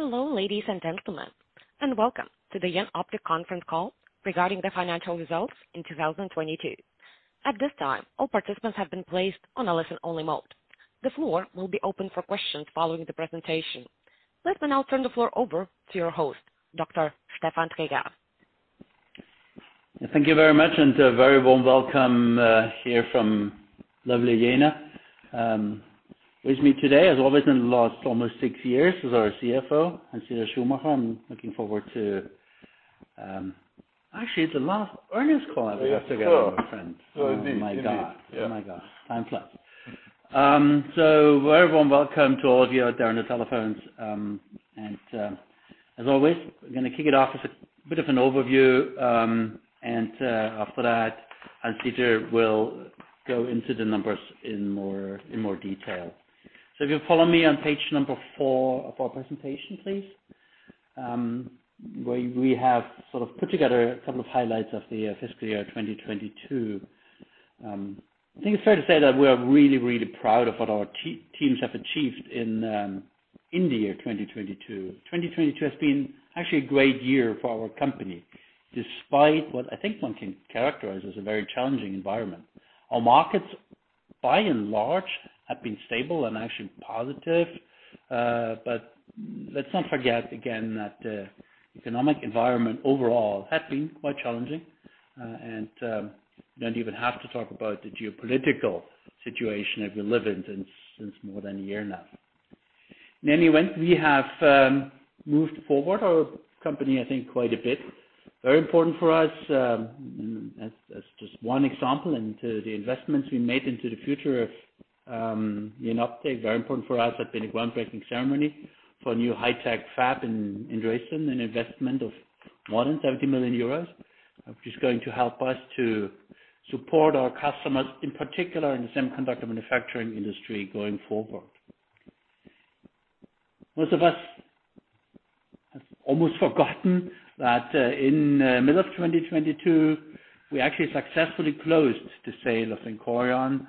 Hello, ladies and gentlemen, welcome to the Jenoptik conference call regarding the financial results in 2022. At this time, all participants have been placed on a listen-only mode. The floor will be open for questions following the presentation. Let me now turn the floor over to your host, Dr. Stefan Traeger. Thank you very much, and a very warm welcome here from lovely Jena. With me today as always in the last almost six years is our CFO, Hans-Dieter Schumacher. I'm looking forward to. Actually, it's the last earnings call that we have together, my friend. Yeah, sure. Indeed. Yeah. Oh, my God. Oh, my God. Time flies. A very warm welcome to all of you out there on the telephones. As always, I'm gonna kick it off with a bit of an overview. After that, Hans-Dieter will go into the numbers in more, in more detail. If you'll follow me on page number four of our presentation, please, where we have sort of put together a couple of highlights of the fiscal year 2022. I think it's fair to say that we are really proud of what our teams have achieved in the year 2022. 2022 has been actually a great year for our company, despite what I think one can characterize as a very challenging environment. Our markets, by and large, have been stable and actually positive. Let's not forget again that the economic environment overall had been quite challenging, don't even have to talk about the geopolitical situation that we live in since more than a year now. In any event, we have moved forward our company, I think, quite a bit. Very important for us, as just one example into the investments we made into the future of Jenoptik, very important for us has been a groundbreaking ceremony for a new high-tech fab in Dresden, an investment of more than 70 million euros. Which is going to help us to support our customers, in particular in the semiconductor manufacturing industry going forward. Most of us have almost forgotten that in middle of 2022, we actually successfully closed the sale of VINCORION.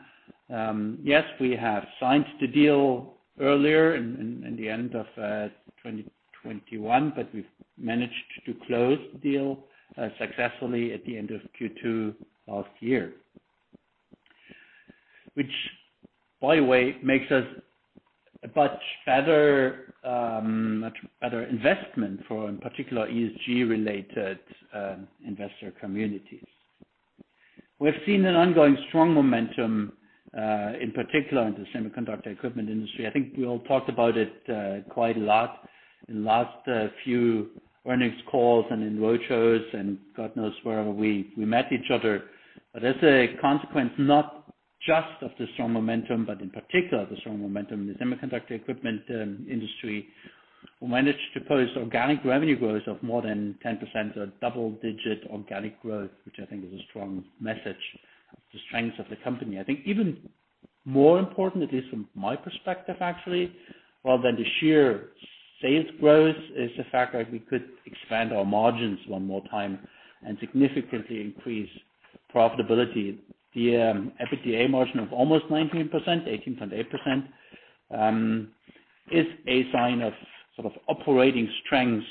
Yes, we have signed the deal earlier in the end of 2021, but we've managed to close the deal successfully at the end of Q2 last year. By the way, makes us a much better investment for in particular ESG-related investor communities. We've seen an ongoing strong momentum in particular in the semiconductor equipment industry. I think we all talked about it quite a lot in the last few earnings calls and in roadshows and God knows wherever we met each other. As a consequence, not just of the strong momentum, but in particular the strong momentum in the semiconductor equipment industry, we managed to post organic revenue growth of more than 10%, a double-digit organic growth, which I think is a strong message of the strengths of the company. I think even more important at least from my perspective, actually, rather than the sheer sales growth, is the fact that we could expand our margins one more time and significantly increase profitability. The EBITDA margin of almost 19%, 18.8%, is a sign of sort of operating strengths,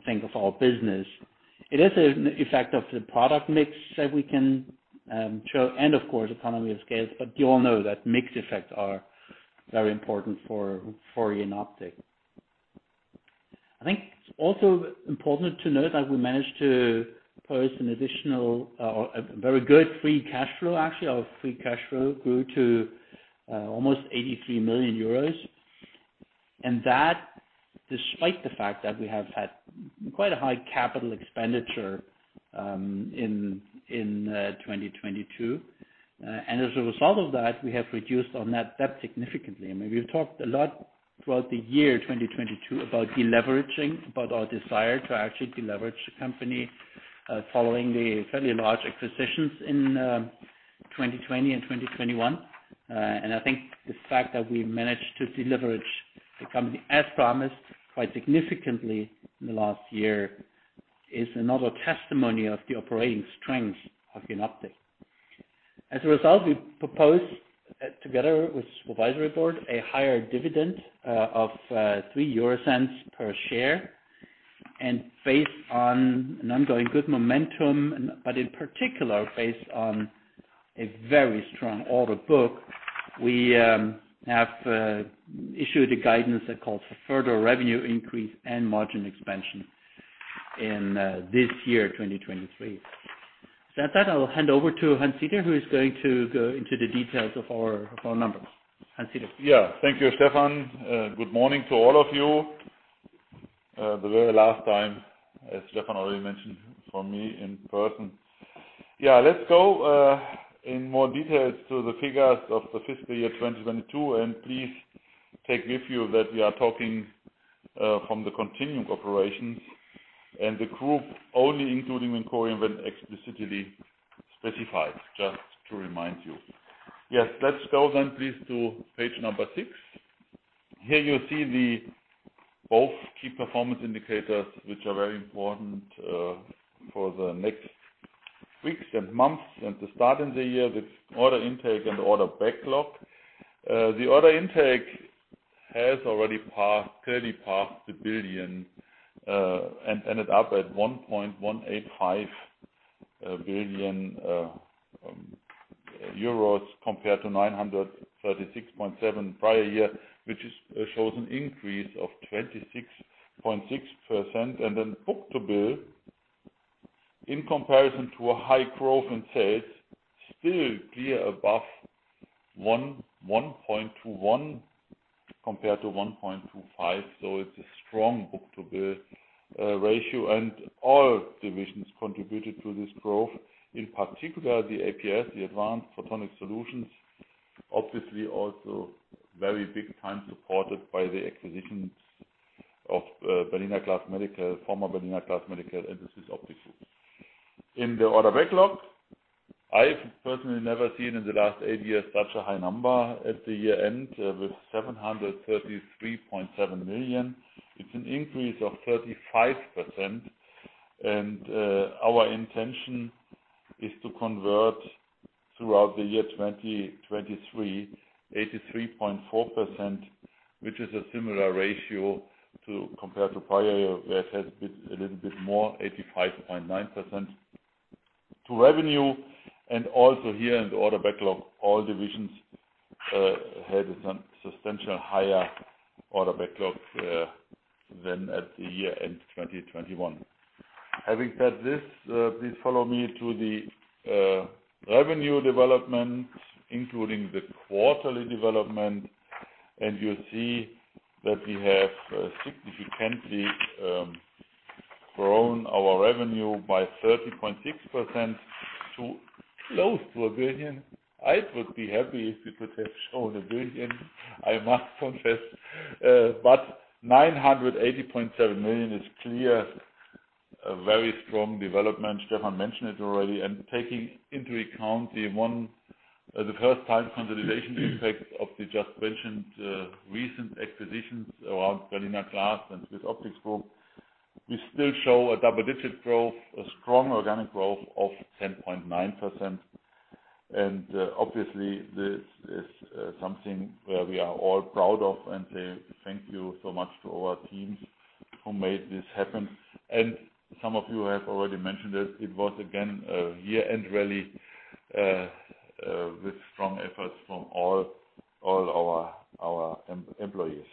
I think, of our business. It is an effect of the product mix that we can show and of course, economy of scale, you all know that mix effects are very important for Jenoptik. I think it's also important to note that we managed to post an additional or a very good free cash flow. Actually, our free cash flow grew to almost 83 million euros. That despite the fact that we have had quite a high capital expenditure in 2022. As a result of that, we have reduced our net debt significantly. I mean, we've talked a lot throughout the year 2022 about deleveraging, about our desire to actually deleverage the company following the fairly large acquisitions in 2020 and 2021. I think the fact that we managed to deleverage the company as promised quite significantly in the last year is another testimony of the operating strength of Jenoptik. As a result, we propose together with supervisory board a higher dividend of 0.03 per share. Based on an ongoing good momentum but in particular based on a very strong order book, we have issued a guidance that calls for further revenue increase and margin expansion in this year, 2023. With that said, I'll hand over to Hans-Dieter, who is going to go into the details of our numbers. Hans-Dieter. Yeah. Thank you, Stefan. Good morning to all of you. The very last time, as Stefan already mentioned, for me in person. Yeah. Let's go in more details to the figures of the fiscal year 2022, and please take with you that we are talking from the continuing operations and the group only including VINCORION when explicitly specified, just to remind you. Yes. Let's go then please to page number 6. Here you see the both key performance indicators which are very important for the next weeks and months and the start in the year with order intake and order backlog. The order intake has already passed, clearly passed the billion, and ended up at 1.185 billion euros compared to 936.7 million prior year, which shows an increase of 26.6%. Book-to-bill, in comparison to a high growth in sales, still clear above 1.21 compared to 1.25. It's a strong book-to-bill ratio. All divisions contributed to this growth, in particular the APS, the Advanced Photonic Solutions. Obviously also very big time supported by the acquisitions of Berliner Glas Medical, former Berliner Glas Medical, and SwissOptic. In the order backlog, I've personally never seen in the last eight years such a high number at the year-end with 733.7 million. It's an increase of 35%. Our intention is to convert throughout the year 2023, 83.4%, which is a similar ratio compared to prior year, where it has been a little bit more, 85.9% to revenue. Also here in the order backlog, all divisions had a substantial higher order backlogs than at the year-end 2021. Having said this, please follow me to the revenue development, including the quarterly development. You'll see that we have significantly grown our revenue by 30.6% to close to 1 billion. I would be happy if it would have shown 1 billion I must confess. But 980.7 million is clear. A very strong development. Stefan mentioned it already. Taking into account the first-time consolidation impact of the just mentioned recent acquisitions around Berliner Glas and SwissOptic Group, we still show a double-digit growth, a strong organic growth of 10.9%. Obviously this is something where we are all proud of, and say thank you so much to our teams who made this happen. Some of you have already mentioned it. It was again a year-end rally with strong efforts from all our employees.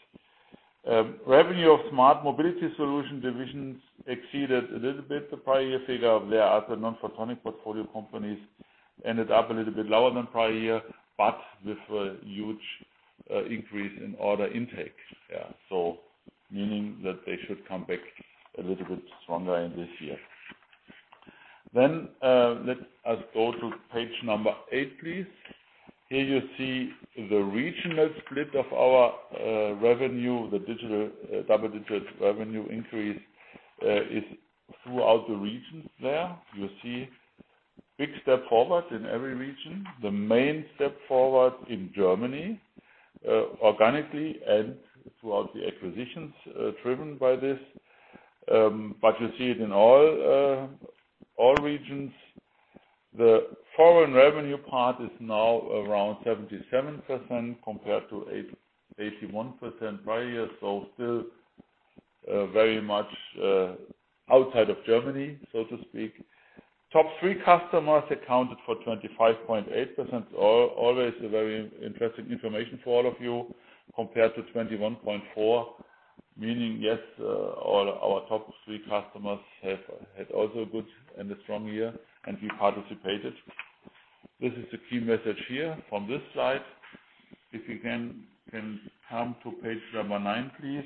Revenue of Smart Mobility Solutions divisions exceeded a little bit the prior year figure of Leara. The non-photonic portfolio companies ended up a little bit lower than prior year, but with a huge increase in order intake. Meaning that they should come back a little bit stronger in this year. Let us go to page eight, please. Here you see the regional split of our revenue. The double-digit revenue increase is throughout the regions there. You see big step forward in every region. The main step forward in Germany, organically and throughout the acquisitions, driven by this. You see it in all regions. The foreign revenue part is now around 77% compared to 81% prior year. Still very much outside of Germany, so to speak. Top three customers accounted for 25.8%. Always a very interesting information for all of you, compared to 21.4%. Meaning, yes, all our top three customers have had also a good and a strong year, and we participated. This is the key message here from this slide. If you can come to page number nine, please.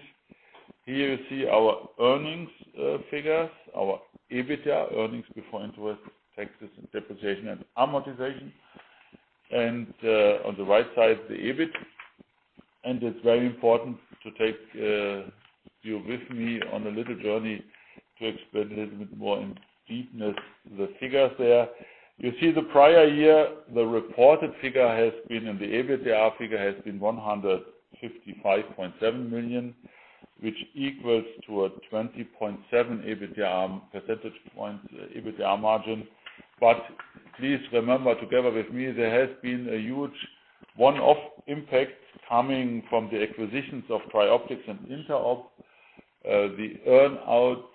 Here you see our earnings figures, our EBITDA, earnings before interest, taxes, depreciation, and amortization. On the right side, the EBIT. It's very important to take you with me on a little journey to explain a little bit more in deepness the figures there. You see the prior year, the reported figure has been, and the EBITDA figure, has been 155.7 million, which equals to a 20.7% EBITDA percentage point, EBITDA margin. Please remember together with me, there has been a huge one-off impact coming from the acquisitions of TRIOPTICS and INTEROB. The earn out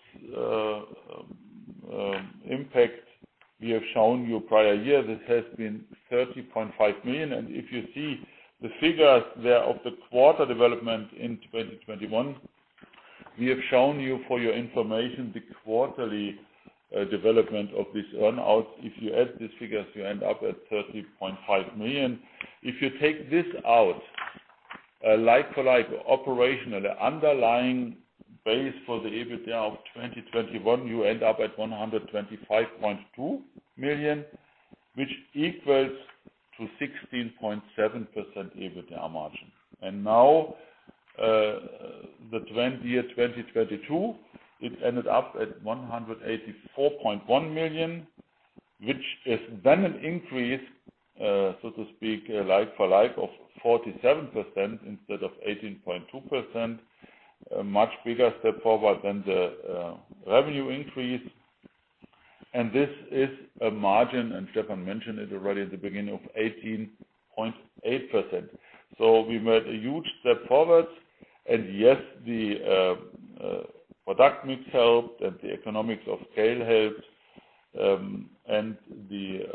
impact we have shown you prior year. This has been 30.5 million. If you see the figures there of the quarter development in 2021, we have shown you for your information the quarterly development of this earn out. If you add these figures, you end up at 30.5 million. If you take this out, a like-for-like operational underlying base for the EBITDA of 2021, you end up at 125.2 million, which equals to 16.7% EBITDA margin. Now, the trend year 2022, it ended up at 184.1 million, which is then an increase, so to speak, like for like of 47% instead of 18.2%. A much bigger step forward than the revenue increase. This is a margin, and Stefan mentioned it already at the beginning of 18.8%. We made a huge step forward. Yes, the product mix helped and the economics of scale helped. The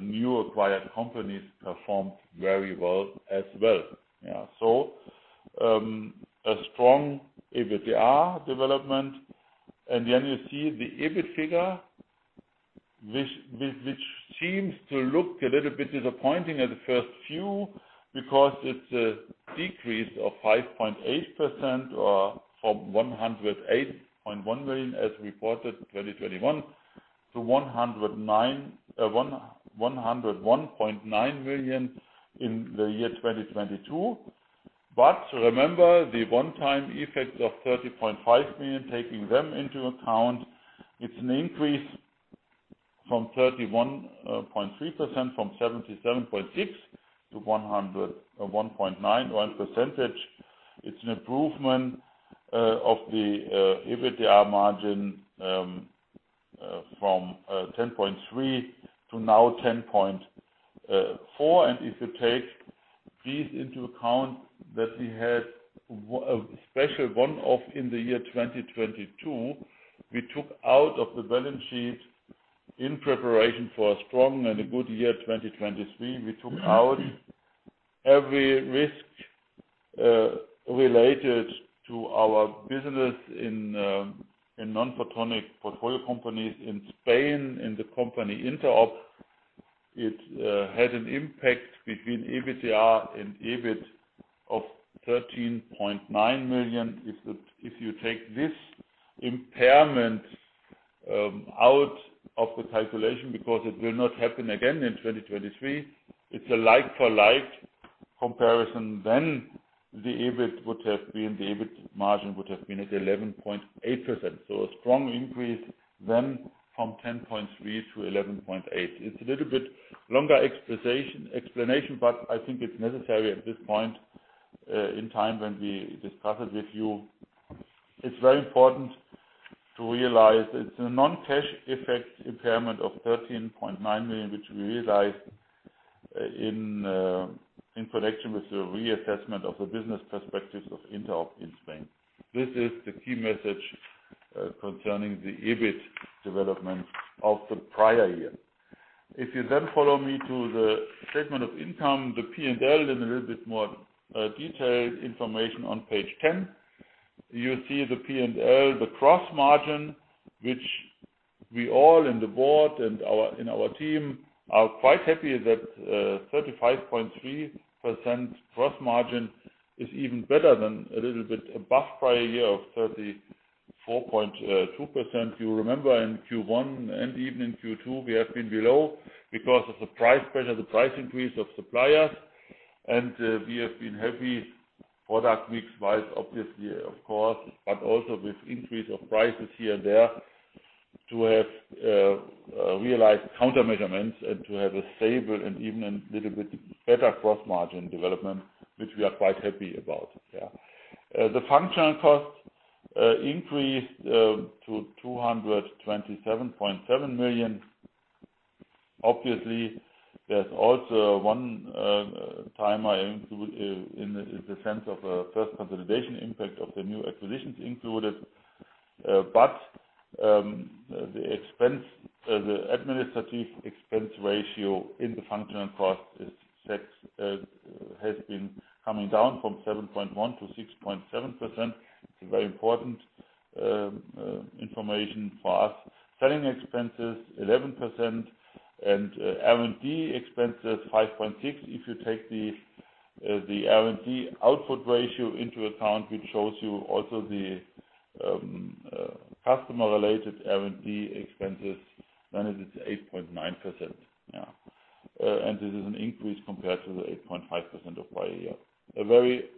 new acquired companies performed very well as well. A strong EBITDA development. You see the EBIT figure, which seems to look a little bit disappointing at the first few because it's a decrease of 5.8% or from 108.1 million as reported in 2021 to 101.9 million in the year 2022. Remember the one-time effect of 30.5 million, taking them into account, it's an increase from 31.3% from EUR 77.6 million to 101.91 percentage. It's an improvement of the EBITDA margin from 10.3% to now 10.4%. If you take these into account that we had a special one-off in the year 2022, we took out of the balance sheet in preparation for a strong and a good year, 2023. We took out every risk related to our business in non-photonic portfolio companies in Spain, in the company INTEROB. It had an impact between EBITDA and EBIT of 13.9 million. If you take this impairment out of the calculation because it will not happen again in 2023, it's a like for like comparison, then the EBIT margin would have been at 11.8%. A strong increase then from 10.3% to 11.8%. It's a little bit longer explanation, but I think it's necessary at this point in time when we discuss it with you. It's very important to realize it's a non-cash effect impairment of 13.9 million, which we realized in connection with the reassessment of the business perspectives of INTEROB in Spain. This is the key message concerning the EBIT development of the prior year. You then follow me to the statement of income, the P&L, in a little bit more detailed information on page 10. You see the P&L, the gross margin, which we all in the board and in our team are quite happy that 35.3% gross margin is even better than a little bit above prior year of 34.2%. You remember in Q1 and even in Q2, we have been below because of the price pressure, the price increase of suppliers. We have been happy product mix-wise, obviously, of course, but also with increase of prices here and there to have realized counter measurements and to have a stable and even a little bit better gross margin development, which we are quite happy about. Yeah. The functional costs increased to 227.7 million. Obviously, there's also a one-timer in the sense of a first consolidation impact of the new acquisitions included. The administrative expense ratio in the functional costs is set, has been coming down from 7.1% to 6.7%. It's a very important information for us. Selling expenses, 11%, and R&D expenses, 5.6%. If you take the R&D output ratio into account, which shows you also the customer-related R&D expenses, then it is 8.9%. Yeah. This is an increase compared to the 8.5% of prior year. A very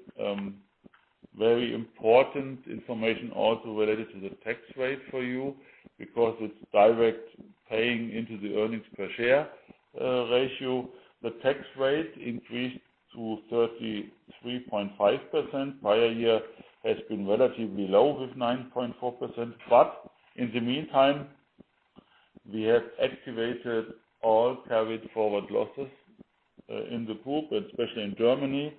important information also related to the tax rate for you because it's direct paying into the earnings per share ratio. The tax rate increased to 33.5%. Prior year has been relatively low with 9.4%. In the meantime, we have activated all carried forward losses in the group, especially in Germany.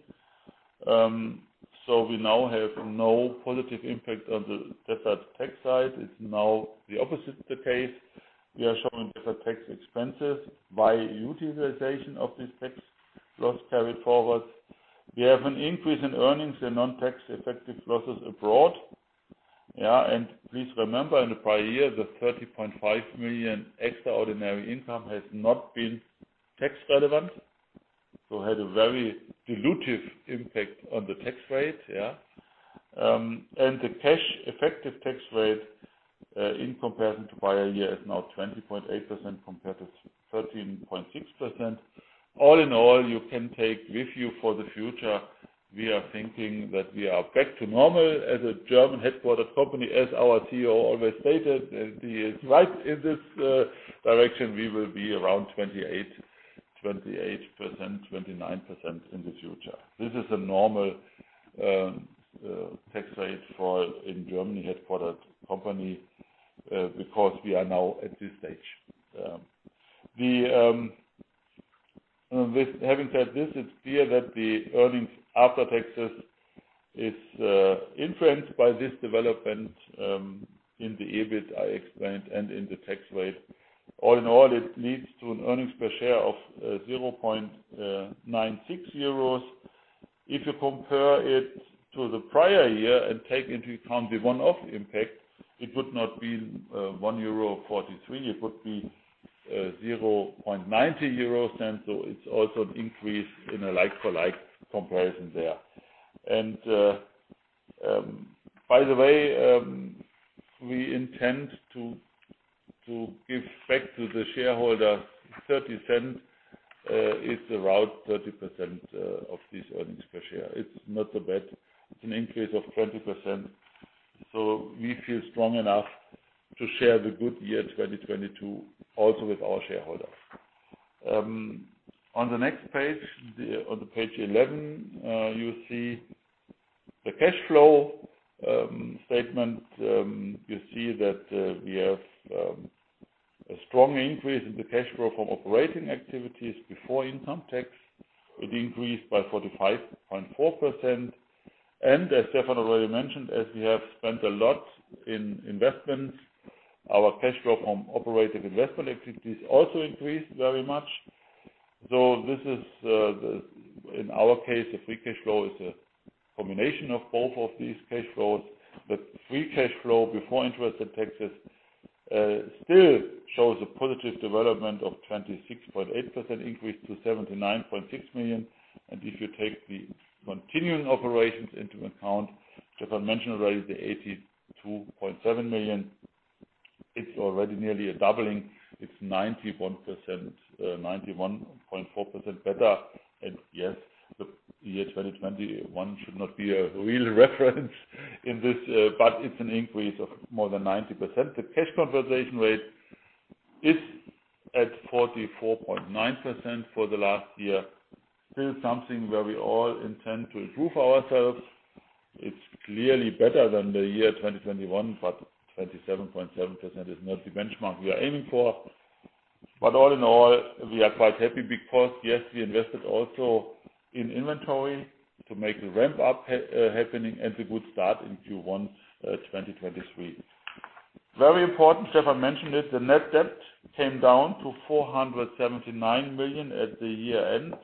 We now have no positive impact on the deferred tax side. It's now the opposite of the case. We are showing deferred tax expenses by utilization of this tax loss carried forward. We have an increase in earnings and non-tax effective losses abroad. Please remember in the prior year, the 30.5 million extraordinary income has not been tax relevant, so had a very dilutive impact on the tax rate. The cash effective tax rate in comparison to prior year is now 20.8% compared to 13.6%. All in all, you can take with you for the future, we are thinking that we are back to normal as a German headquartered company. As our CEO always stated, he is right in this direction. We will be around 28%, 29% in the future. This is a normal tax rate for in Germany headquartered company, because we are now at this stage. Having said this, it's clear that the earnings after taxes is influenced by this development in the EBIT I explained and in the tax rate. All in all, it leads to an earnings per share of 0.96 euros. If you compare it to the prior year and take into account the one-off impact, it would not be 1.43 euro, it would be 0.90. It's also an increase in a like-for-like comparison there. By the way, we intend to give back to the shareholder 0.30 is around 30% of these earnings per share. It's not so bad. It's an increase of 20%. We feel strong enough to share the good year 2022 also with our shareholders. On the next page, on page 11, you see the cash flow statement. You see that we have a strong increase in the cash flow from operating activities before income tax. It increased by 45.4%. As Stefan already mentioned, as we have spent a lot in investments, our cash flow from operating investment activities also increased very much. This is, in our case, the free cash flow is a combination of both of these cash flows. The free cash flow before interest and taxes still shows a positive development of 26.8% increase to 79.6 million. If you take the continuing operations into account, Stefan mentioned already the 82.7 million, it's already nearly a doubling. It's 91%, 91.4% better. Yes, the year 2021 should not be a real reference in this, but it's an increase of more than 90%. The cash conversion rate is at 44.9% for the last year. Still something where we all intend to improve ourselves. It's clearly better than the year 2021, 27.7% is not the benchmark we are aiming for. All in all, we are quite happy because yes, we invested also in inventory to make the ramp up happening and the good start in Q1 2023. Very important, Stefan mentioned it, the net debt came down to 479 million at the year-end.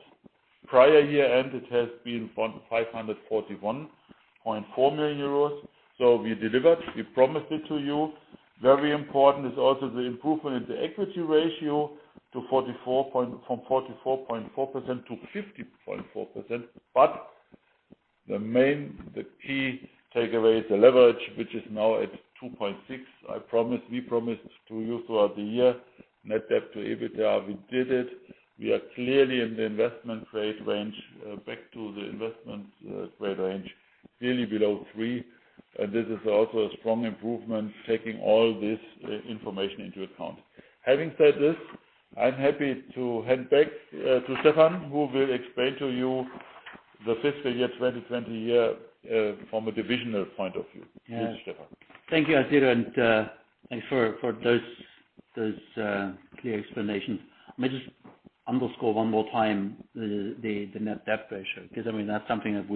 Prior year-end, it has been 541.4 million euros. We delivered, we promised it to you. Very important is also the improvement in the equity ratio from 44.4% to 50.4%. The key takeaway is the leverage, which is now at 2.6. We promised to you throughout the year, net debt to EBITDA, we did it. We are clearly in the investment grade range, back to the investment grade range, clearly below three. This is also a strong improvement taking all this information into account. Having said this, I'm happy to hand back to Stefan, who will explain to you the fifth year, 2020 year, from a divisional point of view. Yeah. Please, Stefan. Thank you, Hans-Dieter. Thank you for those clear explanations. Let me just underscore one more time the net debt ratio, because I mean, that's something that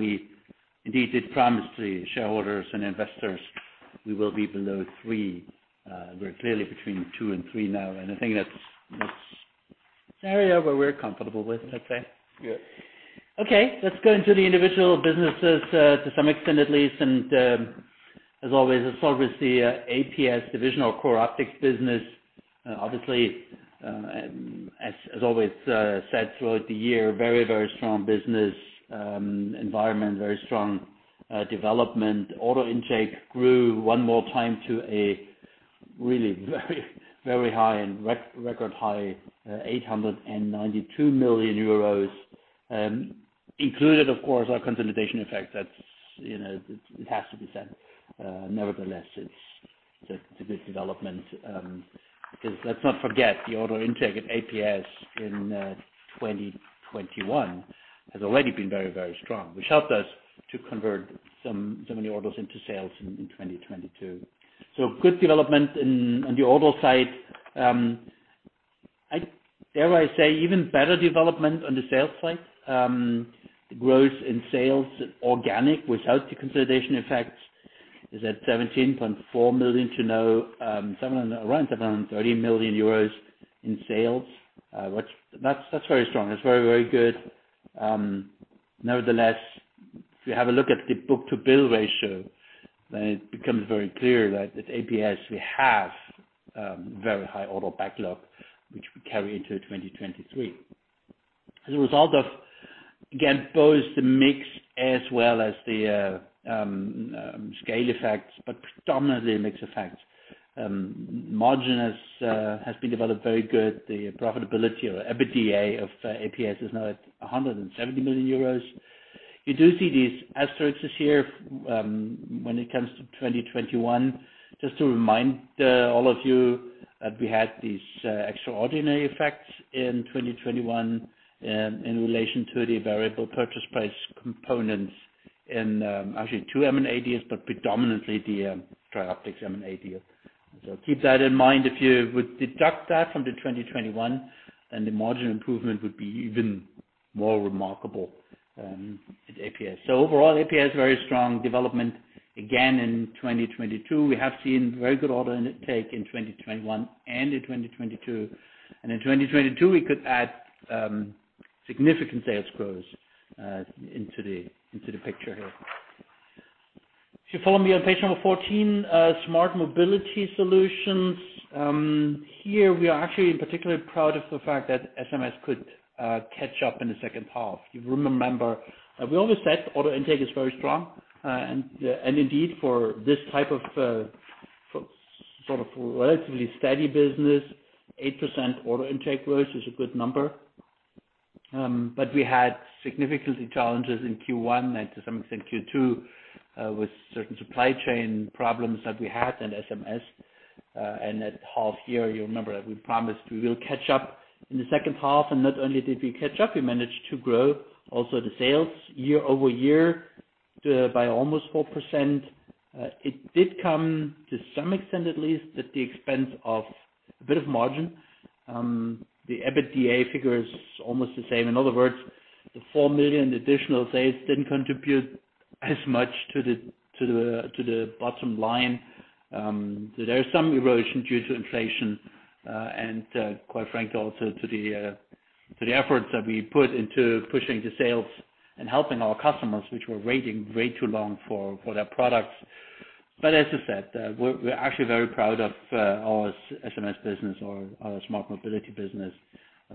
we indeed did promise the shareholders and investors we will be below three. We're clearly between two and three now, and I think that's an area where we're comfortable with, let's say. Good. Okay, let's go into the individual businesses, to some extent at least. As always, let's start with the APS divisional core optics business. Obviously, as always said throughout the year, very strong business environment. Very strong development. Order intake grew one more time to a really very high and record high, 892 million euros. Included of course, our consolidation effect. That's, you know, it has to be said. Nevertheless, it's a good development because let's not forget the order intake at APS in 2021 has already been very strong, which helped us to convert some of the orders into sales in 2022. Good development in, on the order side. I dare I say even better development on the sales side. Growth in sales organic without the consolidation effect is at 17.4 million to now, around 30 million euros in sales. That's very strong. That's very, very good. Nevertheless, if you have a look at the book-to-bill ratio, it becomes very clear that at APS we have very high order backlog, which we carry into 2023. As a result of, again, both the mix as well as the scale effects, but predominantly a mix effect. Margin has been developed very good. The profitability or EBITDA of APS is now at 170 million euros. You do see these asterisks here when it comes to 2021. Just to remind all of you that we had these extraordinary effects in 2021 in relation to the variable purchase price components in actually two M&A deals, but predominantly the TRIOPTICS M&A deal. Keep that in mind. If you would deduct that from the 2021, then the margin improvement would be even more remarkable at APS. Overall, APS very strong development again in 2022. We have seen very good order intake in 2021 and in 2022. In 2022, we could add significant sales growth into the picture here. If you follow me on page number 14, Smart Mobility Solutions. Here we are actually particularly proud of the fact that SMS could catch up in the second half. You remember, we always said order intake is very strong. Indeed, for this type of, for sort of relatively steady business, 8% order intake growth is a good number. We had significant challenges in Q1 and to some extent Q2, with certain supply chain problems that we had in SMS. At half year, you remember that we promised we will catch up in the second half, and not only did we catch up, we managed to grow also the sales year-over-year, by almost 4%. It did come, to some extent at least, at the expense of a bit of margin. The EBITDA figure is almost the same. In other words, the 4 million additional sales didn't contribute as much to the bottom line. There is some erosion due to inflation, and, quite frankly, also to the efforts that we put into pushing the sales and helping our customers, which were waiting way too long for their products. As I said, we're actually very proud of our SMS business or our Smart Mobility business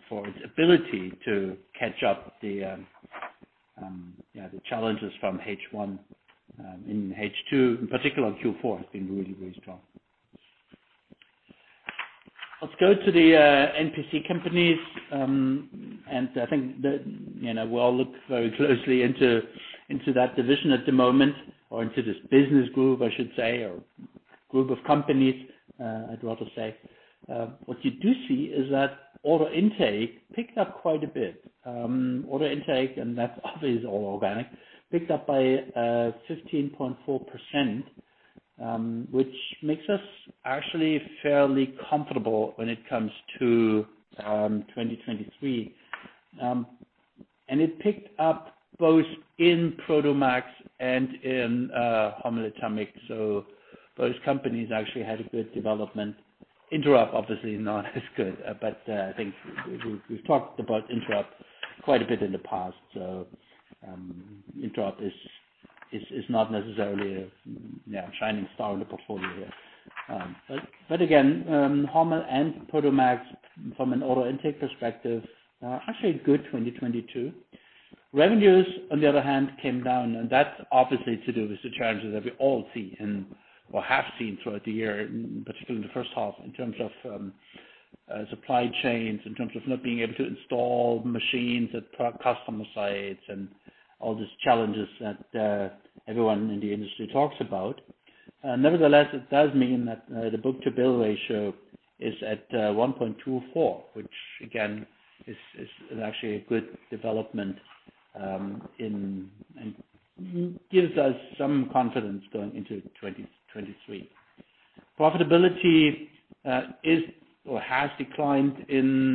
for its ability to catch up the challenges from H1 in H2. In particular, Q4 has been really strong. Let's go to the NPC companies. I think that, you know, we all look very closely into that division at the moment, or into this business group, I should say, or group of companies, I'd rather say. What you do see is that order intake picked up quite a bit. Order intake, and that's obviously all organic, picked up by 15.4%, which makes us actually fairly comfortable when it comes to 2023. It picked up both in Prodomax and in HOMMEL ETAMIC. Both companies actually had a good development. INTEROB, obviously not as good, but I think we've talked about INTEROB quite a bit in the past. INTEROB is not necessarily a, you know, a shining star in the portfolio here. Again, HOMMEL and Prodomax, from an order intake perspective, actually a good 2022. Revenues, on the other hand, came down, and that's obviously to do with the challenges that we all see and or have seen throughout the year, particularly in the first half, in terms of supply chains, in terms of not being able to install machines at pro-customer sites and all these challenges that everyone in the industry talks about. Nevertheless, it does mean that the book-to-bill ratio is at 1.24, which again, is actually a good development and gives us some confidence going into 2023. Profitability is or has declined in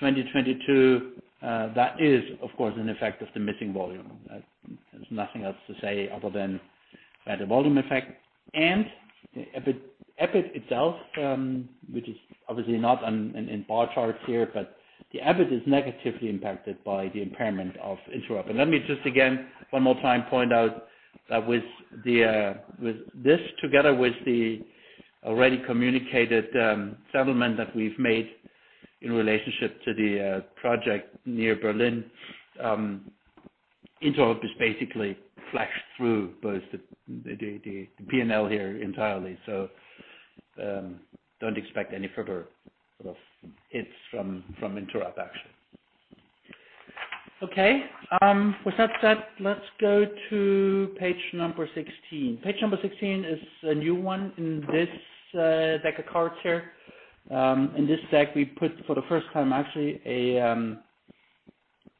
2022. That is, of course, an effect of the missing volume. There's nothing else to say other than the volume effect. EBIT itself, which is obviously not on, in bar charts here, but the EBIT is negatively impacted by the impairment of INTEROB. Let me just again, one more time, point out that with this together with the already communicated settlement that we've made in relationship to the project near Berlin, INTEROB is basically flashed through both the P&L here entirely. Don't expect any further sort of hits from INTEROB actually. Okay, with that said, let's go to page number 16. Page number 16 is a new one in this deck of cards here. In this deck we put for the first time actually a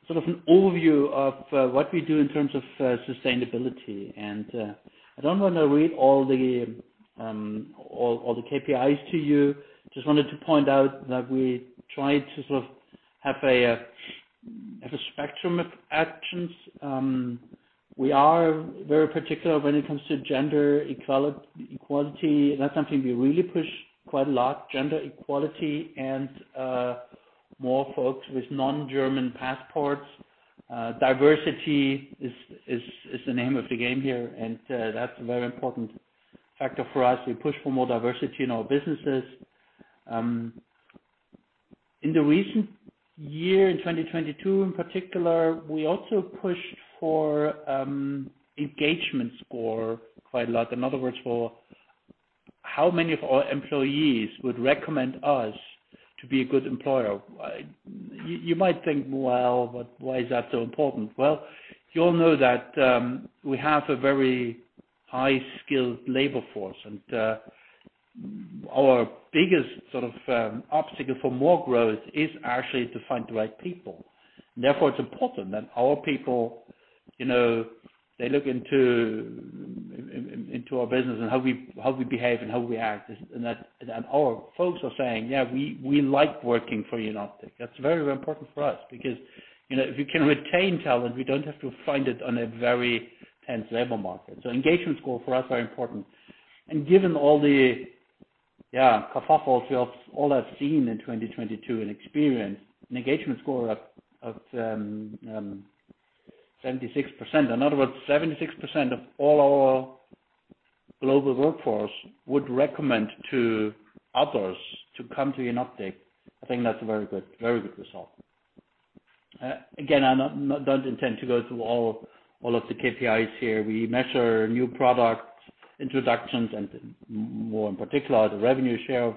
sort of an overview of what we do in terms of sustainability. I don't wanna read all the KPIs to you. Just wanted to point out that we try to sort of have a, have a spectrum of actions. We are very particular when it comes to gender equality. That's something we really push quite a lot, gender equality and more folks with non-German passports. Diversity is the name of the game here, and that's a very important factor for us. We push for more diversity in our businesses. In the recent year, in 2022 in particular, we also pushed for engagement score quite a lot. In other words, how many of our employees would recommend us to be a good employer? You might think, well, but why is that so important? Well, you all know that we have a very high-skilled labor force, and our biggest sort of obstacle for more growth is actually to find the right people. Therefore, it's important that our people, you know, they look into our business and how we behave and how we act, and that, and our folks are saying, "Yeah, we like working for Jenoptik." That's very important for us because, you know, if we can retain talent, we don't have to find it on a very tense labor market. Engagement score for us are important. Given all the, yeah, kerfuffles we have all have seen in 2022 and experienced, an engagement score of 76%. In other words, 76% of all our global workforce would recommend to others to come to Jenoptik. I think that's a very good, very good result. Again, I'm not, don't intend to go through all of the KPIs here. We measure new product introductions and more in particular, the revenue share of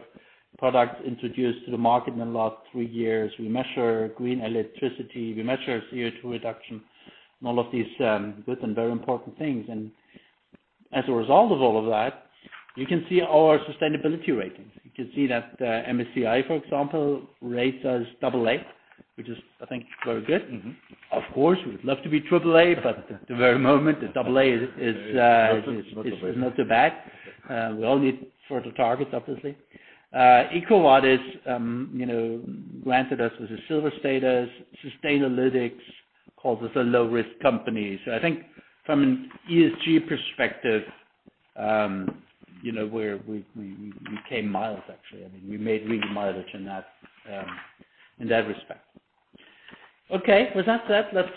products introduced to the market in the last three years. We measure green electricity, we measure CO2 reduction, all of these good and very important things. As a result of all of that, you can see our sustainability ratings. You can see that MSCI, for example, rates us double A, which is, I think, very good. Mm-hmm. Of course, we'd love to be triple A, at the very moment the double A is not so bad. We all need sort of targets, obviously. EcoVadis, you know, granted us with a silver status. Sustainalytics calls us a low-risk company. I think from an ESG perspective, you know, we came miles, actually. I mean, we made really mileage in that in that respect. Okay. With that said, let's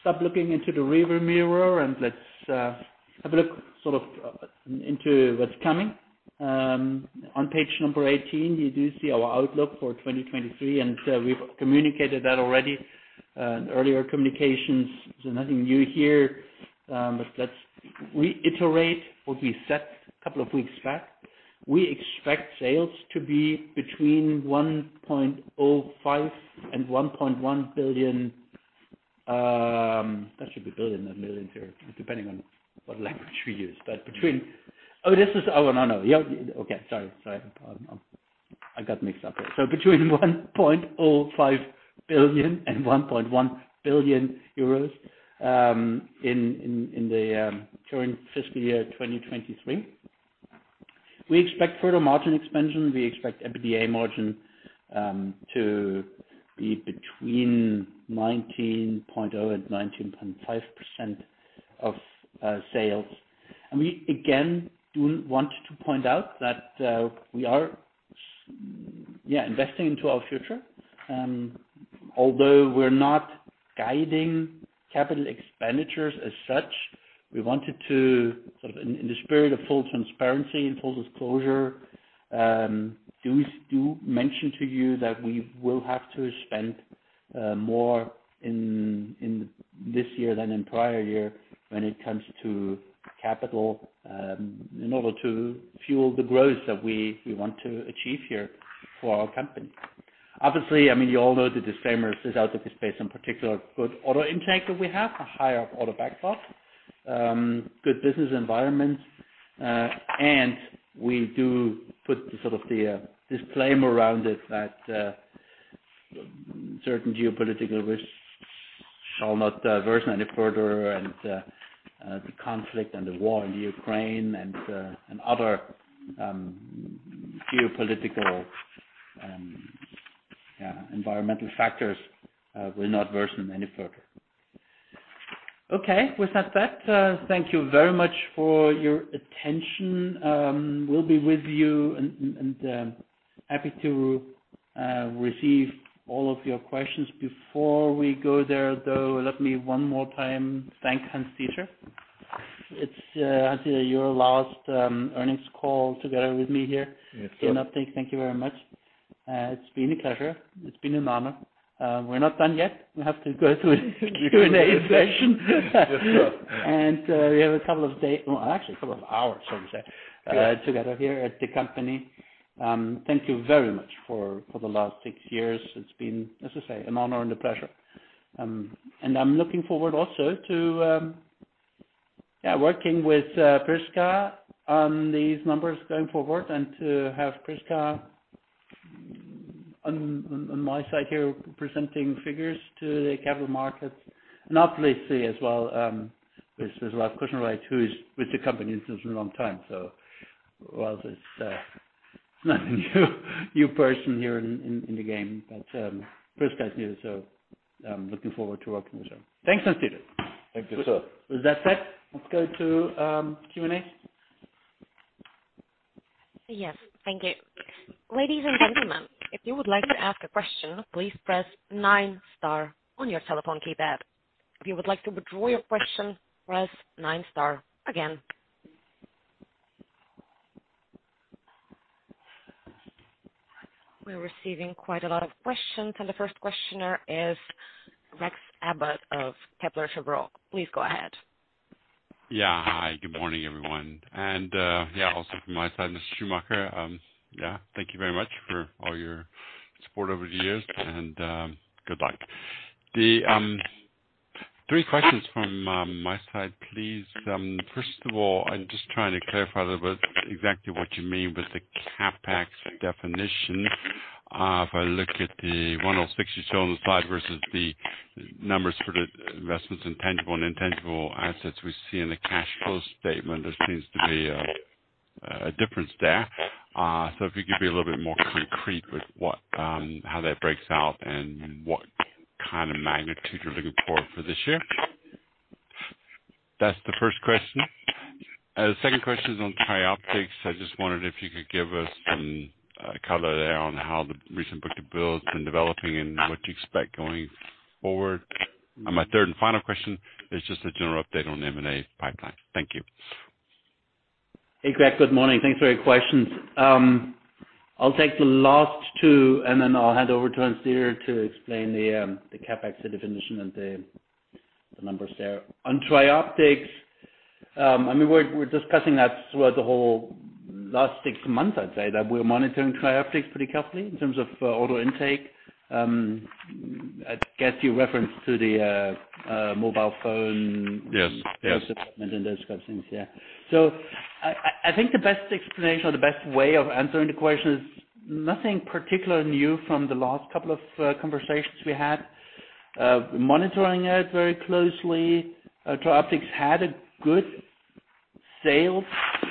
stop looking into the rear-view mirror and let's have a look sort of into what's coming. On page number 18, you do see our outlook for 2023, we've communicated that already in earlier communications, nothing new here. Let's reiterate what we set a couple of weeks back. We expect sales to be between 1.05 billion and 1.1 billion. That should be billion, not million here, depending on what language we use. Between... Oh, this is... Oh, no. Yeah, okay. Sorry, sorry. Pardon. I got mixed up there. Between 1.05 billion and 1.1 billion euros in the current fiscal year, 2023. We expect further margin expansion. We expect EBITDA margin to be between 19.0% and 19.5% of sales. We again, do want to point out that we are investing into our future. Although we're not guiding capital expenditures as such, we wanted to sort of in the spirit of full transparency and full disclosure, do mention to you that we will have to spend more in this year than in prior year when it comes to capital in order to fuel the growth that we want to achieve here for our company. Obviously, I mean, you all know the disclaimer. This is out of this space in particular. Good auto intake that we have, a higher auto backlog, good business environment. We do put the sort of the disclaimer around it that certain geopolitical risks shall not worsen any further and the conflict and the war in Ukraine and other geopolitical environmental factors will not worsen any further. Okay. With that said, thank you very much for your attention. We'll be with you and, happy to receive all of your questions. Before we go there, though, let me one more time thank Hans-Dieter. It's, Hans, your last, earnings call together with me here. Yes, sir. Jenoptik, thank you very much. It's been a pleasure. It's been an honor. We're not done yet. We have to go through Q&A session. Yes, sure. We have Well, actually, a couple of hours, shall we say, together here at the company. Thank you very much for the last six years. It's been, as I say, an honor and a pleasure. I'm looking forward also to, yeah, working with Prisca on these numbers going forward and to have Prisca on my side here presenting figures to the capital markets. Obviously as well, there's Ralf Kuschnereit too, is with the company since a long time. Lars is not a new person here in, in the game, but Prisca is new, so I'm looking forward to working with her. Thanks, Hans-Dieter. Thank you, sir. With that said, let's go to Q&A. Yes. Thank you. Ladies and gentlemen, if you would like to ask a question, please press nine star on your telephone keypad. If you would like to withdraw your question, press nine star again. We're receiving quite a lot of questions, and the first questioner is Craig Abbott of Kepler Cheuvreux. Please go ahead. Hi, good morning, everyone. Also from my side, Mr. Schumacher, thank you very much for all your support over the years, and good luck. The three questions from my side, please. First of all, I'm just trying to clarify a little bit exactly what you mean with the CapEx definition. If I look at the 106 you show on the slide versus the numbers for the investments in tangible and intangible assets we see in the cash flow statement, there seems to be a difference there. If you could be a little bit more concrete with what, how that breaks out and what kind of magnitude you're looking for for this year. That's the first question. The second question is on TRIOPTICS. I just wondered if you could give us some color there on how the recent book of business been developing and what you expect going forward. My third and final question is just a general update on M&A pipeline. Thank you. Hey, Craig. Good morning. Thanks for your questions. I'll take the last two, and then I'll hand over to Hans-Dieter to explain the CapEx, the definition and the numbers there. On TRIOPTICS, I mean, we're discussing that throughout the whole last six months, I'd say, that we're monitoring TRIOPTICS pretty carefully in terms of order intake. I guess you referenced to the mobile phone- Yes. Yes. and those kinds of things. Yeah. I think the best explanation or the best way of answering the question is nothing particularly new from the last couple of conversations we had. Monitoring it very closely. TRIOPTICS had a good sales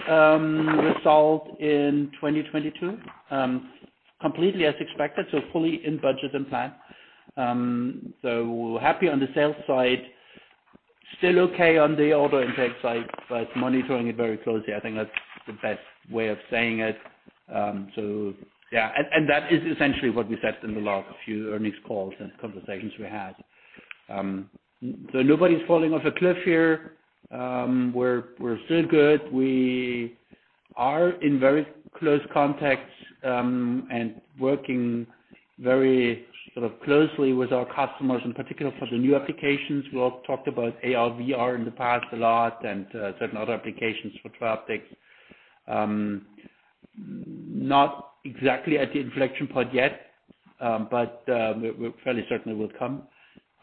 result in 2022, completely as expected, so fully in budget and plan. Happy on the sales side. Still okay on the order intake side but monitoring it very closely. I think that's the best way of saying it. Yeah. That is essentially what we said in the last few earnings calls and conversations we had. Nobody's falling off a cliff here. We're still good. We are in very close contact and working very sort of closely with our customers, in particular for the new applications. We all talked about AR/VR in the past a lot and certain other applications for TRIOPTICS. Not exactly at the inflection point yet, but we're fairly certain it will come.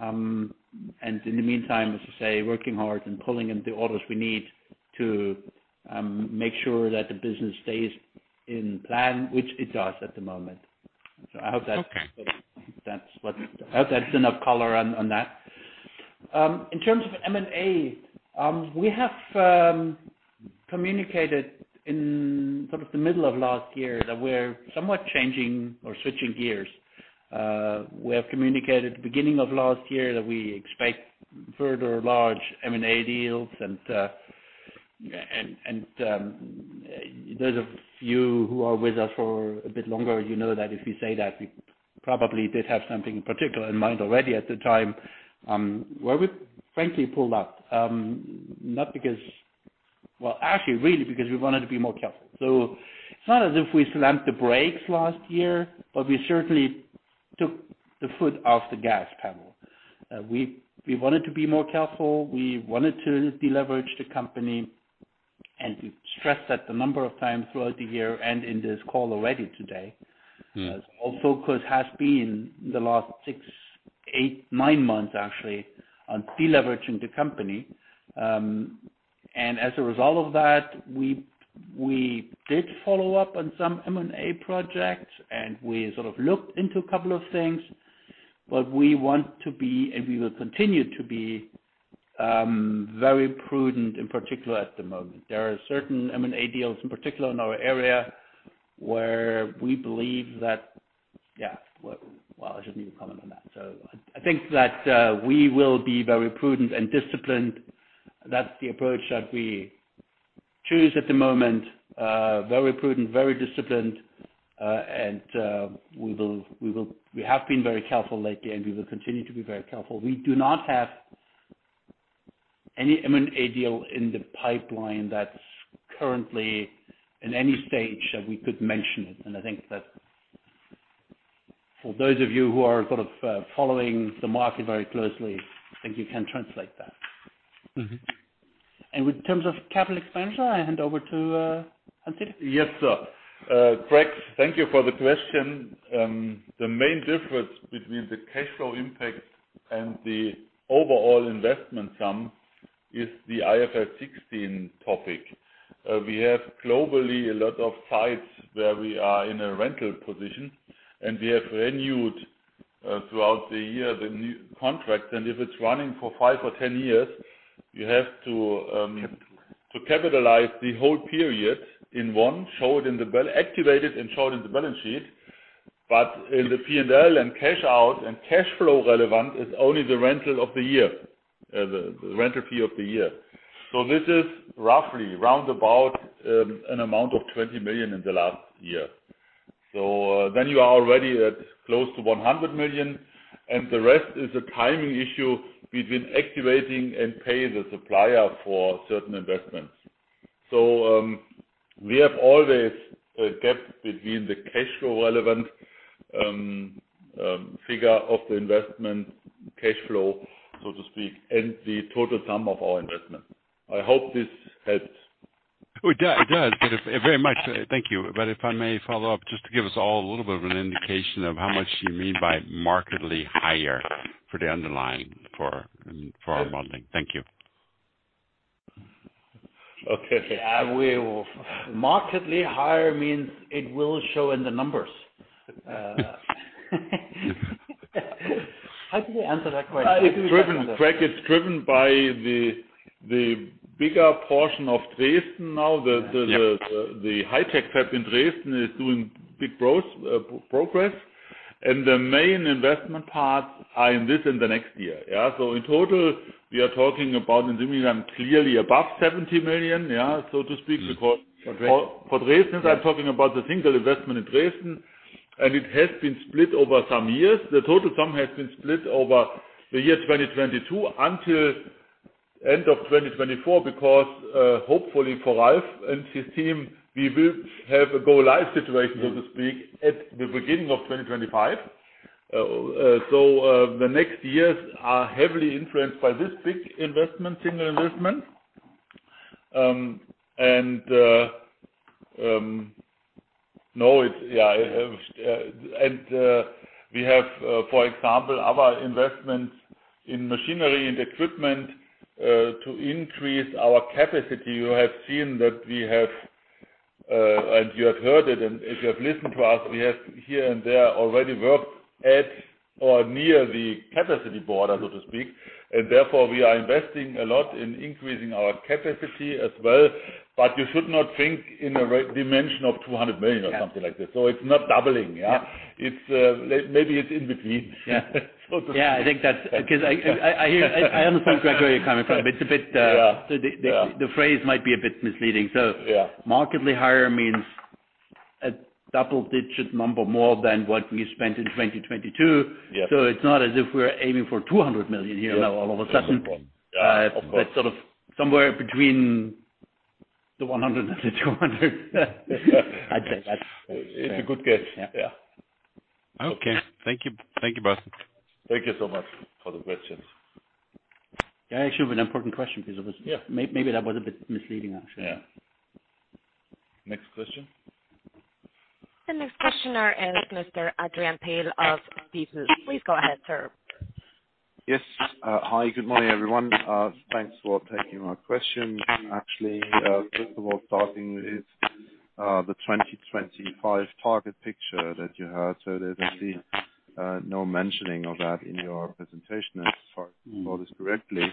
In the meantime, as I say, working hard and pulling in the orders we need to make sure that the business stays in plan, which it does at the moment. I hope that's. Okay. That's what I hope that's enough color on that. In terms of M&A, we have communicated in sort of the middle of last year that we're somewhat changing or switching gears. We have communicated the beginning of last year that we expect further large M&A deals and those of you who are with us for a bit longer, you know that if we say that we probably did have something particular in mind already at the time, where we frankly pulled up. Well, actually really because we wanted to be more careful. It's not as if we slammed the brakes last year, but we certainly took the foot off the gas pedal. We wanted to be more careful. We wanted to deleverage the company, and we've stressed that the number of times throughout the year and in this call already today. Mm-hmm. Our focus has been in the last six, eight, nine months, actually, on deleveraging the company. As a result of that, we did follow up on some M&A projects, and we sort of looked into a couple of things. We want to be, and we will continue to be, very prudent, in particular at the moment. There are certain M&A deals, in particular in our area, where we believe that. Well, I shouldn't even comment on that. I think that we will be very prudent and disciplined. That's the approach that we choose at the moment. Very prudent, very disciplined, and we have been very careful lately, and we will continue to be very careful. We do not have any M&A deal in the pipeline that's currently in any stage that we could mention it. I think that for those of you who are sort of, following the market very closely, I think you can translate that. Mm-hmm. With terms of CapEx, I hand over to Hans-Dieter. Yes, sir. Craig, thank you for the question. The main difference between the cash flow impact and the overall investment sum is the IFRS 16 topic. We have globally a lot of sites where we are in a rental position, we have renewed throughout the year the new contract. If it's running for five or 10 years, you have to capitalize the whole period in one, activate it and show it in the balance sheet. In the P&L and cash out and cash flow relevant is only the rental of the year, the rental fee of the year. This is roughly around about an amount of 20 million in the last year. Then you are already at close to 100 million. The rest is a timing issue between activating and paying the supplier for certain investments. We have always a gap between the cash flow relevant figure of the investment cash flow, so to speak, and the total sum of our investment. I hope this helps. Oh, it does. Very much. Thank you. If I may follow up, just to give us all a little bit of an indication of how much you mean by markedly higher for the underlying for our modeling. Thank you. Okay. Yeah. We will. Markedly higher means it will show in the numbers. How did I answer that question? It's driven Craig, it's driven by the bigger portion of Dresden now. The high-tech fab in Dresden is doing big gross, progress, and the main investment parts are in this and the next year. Yeah. In total, we are talking about in the region clearly above 70 million, yeah, so to speak, because- For Dresden. For Dresden. I'm talking about the single investment in Dresden. It has been split over some years. The total sum has been split over the year 2022 until end of 2024 because, hopefully for Ralf and his team, we will have a go live situation, so to speak, at the beginning of 2025. So, the next years are heavily influenced by this big investment, single investment. And, no, it's. Yeah. And, we have, for example, our investments in machinery and equipment to increase our capacity. You have seen that we have, and you have heard it, and if you have listened to us, we have here and there already worked at or near the capacity border, so to speak. Therefore, we are investing a lot in increasing our capacity as well. You should not think in a dimension of 200 million or something like this. It's not doubling. Yeah. It's, maybe it's in between. Yeah. Yeah. I think. I understand, Craig, where you're coming from. It's a bit. Yeah. The phrase might be a bit misleading. Yeah. Markedly higher means a double-digit number more than what we spent in 2022. Yeah. It's not as if we're aiming for 200 million here now all of a sudden. Of course. Sort of somewhere between the 100 million and the 200 million. I'd say that's fair. It's a good guess. Yeah. Yeah. Okay. Thank you. Thank you both. Thank you so much for the questions. Yeah. It actually was an important question because it was-. Yeah. Maybe that was a bit misleading actually. Yeah. Next question. The next questioner is Mr. Adrian Pehl of Stifel. Please go ahead, sir. Yes. Hi. Good morning, everyone. Thanks for taking my question. Actually, first of all, starting with the 2025 target picture that you had. There's actually no mentioning of that in your presentation, as far as I saw this correctly.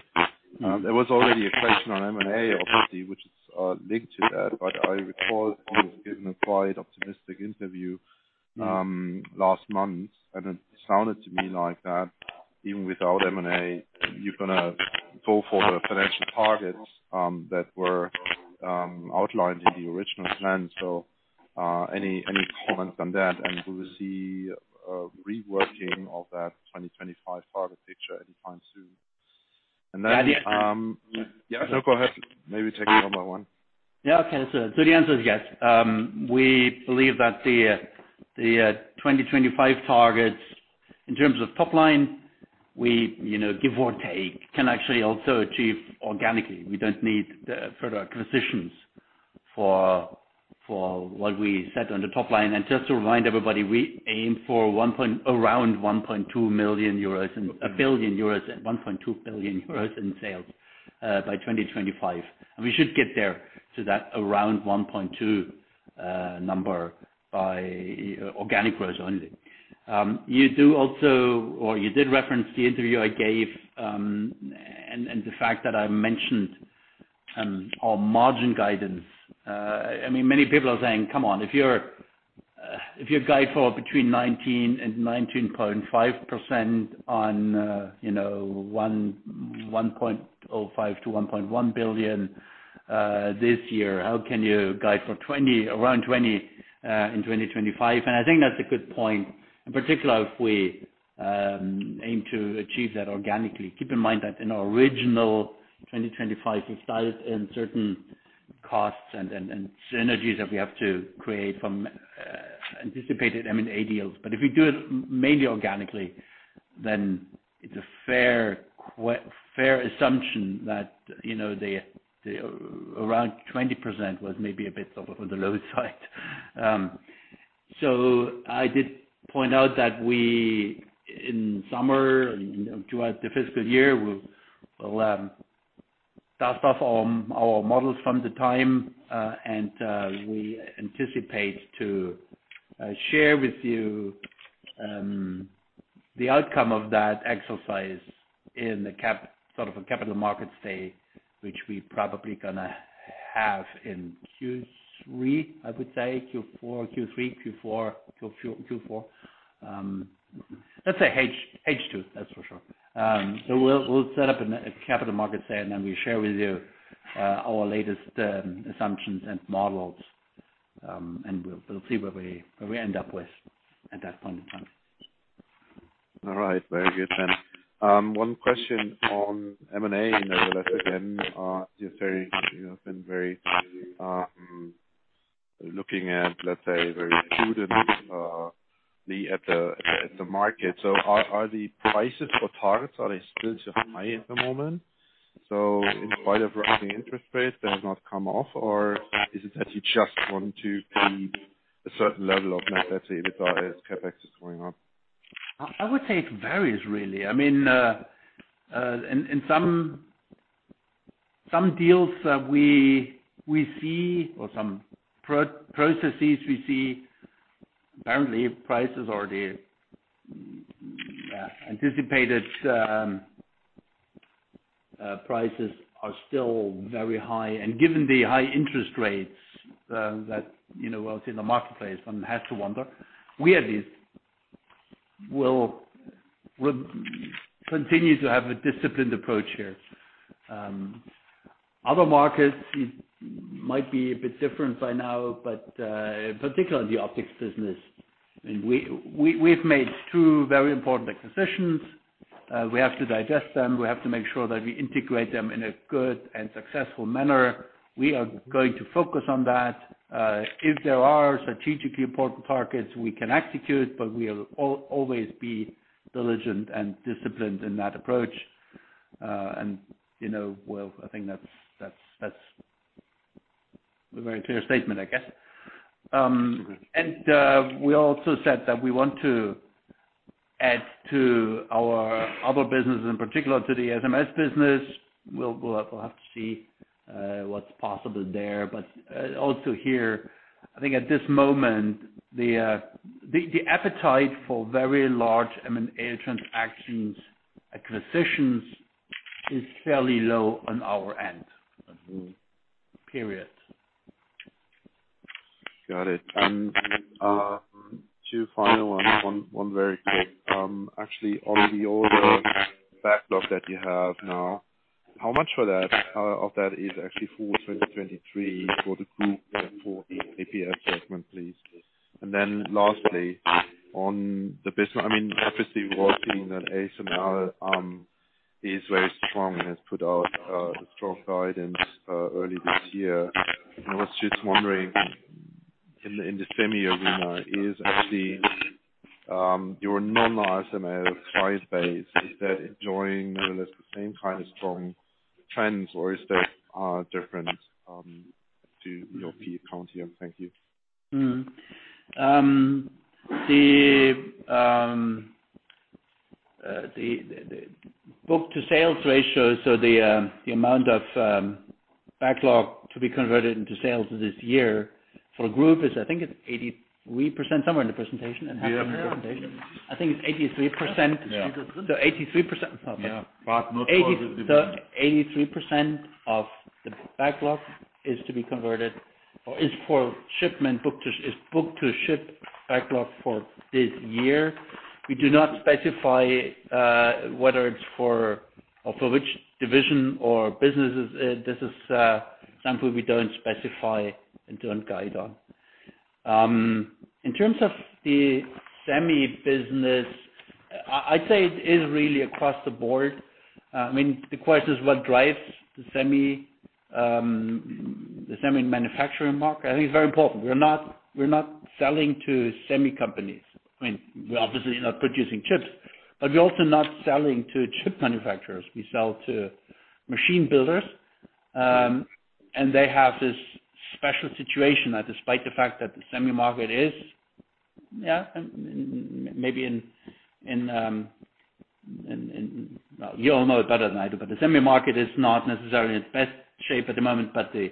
There was already a question on M&A obviously, which is linked to that. I recall you giving a quite optimistic interview last month, and it sounded to me like that even without M&A, you're gonna go for the financial targets that were outlined in the original plan. Any, any comments on that? Do we see a reworking of that 2025 target picture anytime soon? Yeah. No, go ahead. Maybe take it one by one. Yeah. Okay. The answer is yes. We believe that the 2025 targets in terms of top line, we, you know, give or take, can actually also achieve organically. We don't need the further acquisitions for what we set on the top line. Just to remind everybody, we aim for around 1.2 billion euros in sales by 2025. We should get there to that around 1.2 billion number by organic growth only. You do also or you did reference the interview I gave, and the fact that I mentioned our margin guidance. I mean, many people are saying, "Come on, if you're if you guide for between 19% and 19.5% on, you know, 1.05 billion-1.1 billion this year, how can you guide for around 20% in 2025?" I think that's a good point, in particular, if we aim to achieve that organically. Keep in mind that in our original 2025, we started in certain costs and synergies that we have to create from anticipated M&A deals. If we do it mainly organically, it's a fair assumption that, you know, the around 20% was maybe a bit on the low side. I did point out that we, in summer and throughout the fiscal year, we'll dust off our models from the time, and we anticipate to share with you the outcome of that exercise in sort of a capital market stay, which we probably gonna have in Q3, I would say. Q4, Q3, Q4. Let's say H2, that's for sure. We'll set up a capital market stay, and then we share with you our latest assumptions and models. We'll see where we end up with at that point in time. All right. Very good then. One question on M&A, nevertheless again, you're very, you know, been very, looking at, let's say, very prudent, at the market. Are the prices for targets still too high at the moment? In spite of rising interest rates, they have not come off? Is it that you just want to keep a certain level of net asset regards as CapEx is going up? I would say it varies really. I mean, in some deals that we see or some processes we see apparently prices or the anticipated prices are still very high. Given the high interest rates, that, you know, well, it's in the marketplace, one has to wonder. We at least will continue to have a disciplined approach here. Other markets it might be a bit different by now, but particularly the optics business. I mean, we've made two very important acquisitions. We have to digest them. We have to make sure that we integrate them in a good and successful manner. We are going to focus on that. If there are strategically important targets we can execute, but we'll always be diligent and disciplined in that approach. You know, well, I think that's, that's a very clear statement, I guess. We also said that we want to add to our other business in particular to the SMS business. We'll have to see what's possible there. Also here, I think at this moment, the appetite for very large M&A transactions, acquisitions is fairly low on our end, period. Got it. Two final ones. Very quick. Actually on the order backlog that you have now, how much for that of that is actually for 2023 for the group and for the APS segment, please? Lastly, on the business, I mean, obviously we're all seeing that ASML is very strong and has put out strong guidance early this year. I was just wondering in the semi arena, is actually your non-ASML client base, is that enjoying more or less the same kind of strong trends or is that different to your peer count here? Thank you. The book-to-sales ratio, so the amount of backlog to be converted into sales this year for the group is, I think it's 83% somewhere in the presentation. Am I having a presentation? I think it's 83%. Yeah. 83%. Okay. Yeah. No 83% of the backlog is to be converted or is for shipment is booked to ship backlog for this year. We do not specify whether it's for or for which division or businesses. This is something we don't specify and don't guide on. In terms of the semi business, I'd say it is really across the board. I mean, the question is what drives the semi, the semi manufacturing market? I think it's very important. We're not selling to semi companies. I mean, we're obviously not producing chips, but we're also not selling to chip manufacturers. We sell to machine builders. They have this special situation that despite the fact that the semi market is, yeah, maybe in, in... You all know it better than I do, but the semi market is not necessarily in its best shape at the moment, but the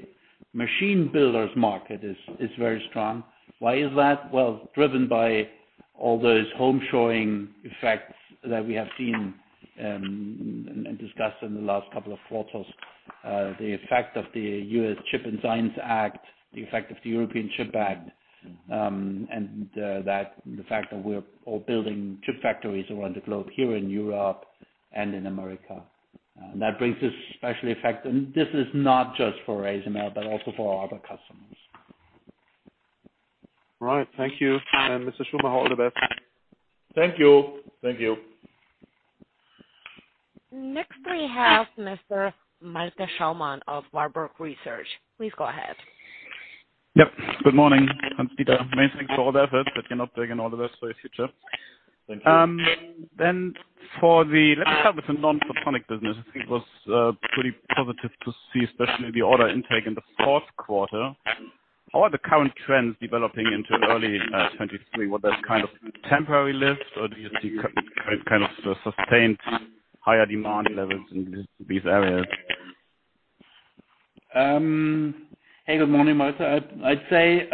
machine builders market is very strong. Why is that? Driven by all those home showing effects that we have seen and discussed in the last couple of quarters. The effect of the U.S. Chip and Science Act, the effect of the European Chips Act, and the fact that we're all building chip factories around the globe here in Europe and in America. That brings a special effect. This is not just for ASML, but also for our other customers. All right. Thank you. Mr. Schumacher, all the best. Thank you. Thank you. Next we have Mr. Malte Schaumann of Warburg Research. Please go ahead. Yep. Good morning. Peter, many thanks for all the efforts that you're not taking all the best for your future. Thank you. Let's start with the non-photonic business. I think it was pretty positive to see especially the order intake in the fourth quarter. How are the current trends developing into early 2023? Were those kind of temporary lift or do you see kind of sustained higher demand levels in these areas? Hey, good morning, Malte. I'd say,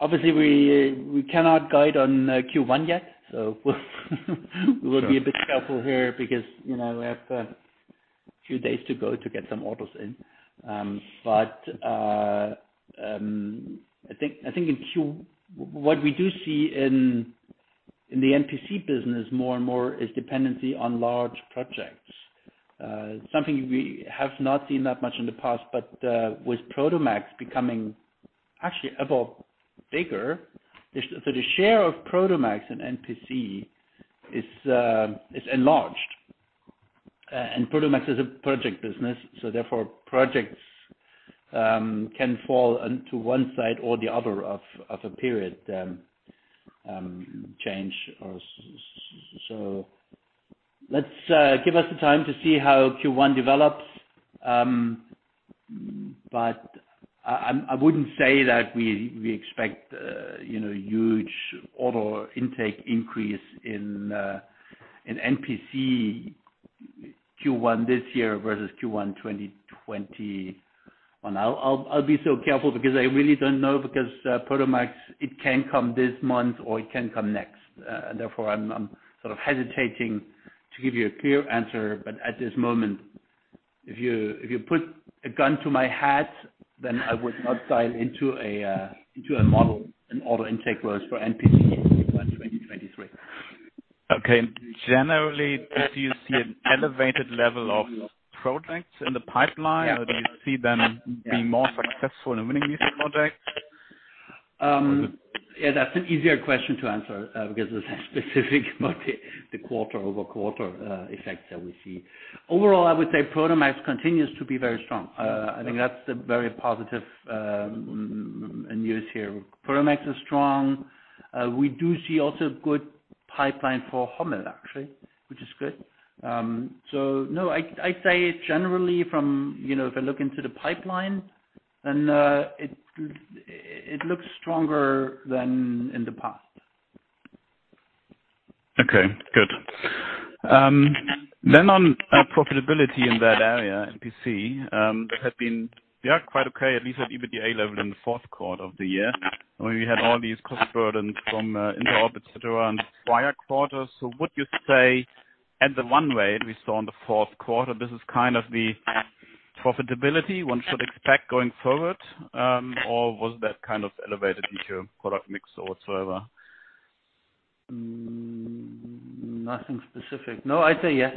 obviously we cannot guide on Q1 yet, so we'll be a bit careful here because, you know, we have a few days to go to get some orders in. What we do see in the NPC business more and more is dependency on large projects. Something we have not seen that much in the past, but with Prodomax becoming actually about bigger, the share of Prodomax and NPC is enlarged. Prodomax is a project business, so therefore, projects can fall into one side or the other of a period change or so let's give us the time to see how Q1 develops. I wouldn't say that we expect, you know, huge order intake increase in NPC Q1 this year versus Q1 2021. I'll be so careful because I really don't know because Prodomax, it can come this month, or it can come next. I'm sort of hesitating to give you a clear answer. At this moment, if you put a gun to my head, I would not dial into a model in order intake was for NPC in Q1 2023. Okay. Generally, do you see an elevated level of projects in the pipeline? Yeah. do you see them... Yeah. being more successful in winning these projects? Yeah, that's an easier question to answer, because it's specific about the quarter-over-quarter effects that we see. Overall, I would say Prodomax continues to be very strong. I think that's a very positive news here. Prodomax is strong. We do see also good pipeline for HOMMEL actually, which is good. No, I say generally from, you know, if I look into the pipeline and, it looks stronger than in the past. Good. On profitability in that area, NPC, that had been quite okay, at least at EBITDA level in the fourth quarter of the year. I mean, we had all these cost burdens from INTEROB, et cetera, and prior quarters. Would you say at the one way we saw in the fourth quarter, this is kind of the profitability one should expect going forward, or was that kind of elevated due to product mix or whatsoever? Nothing specific. No, I'd say yes.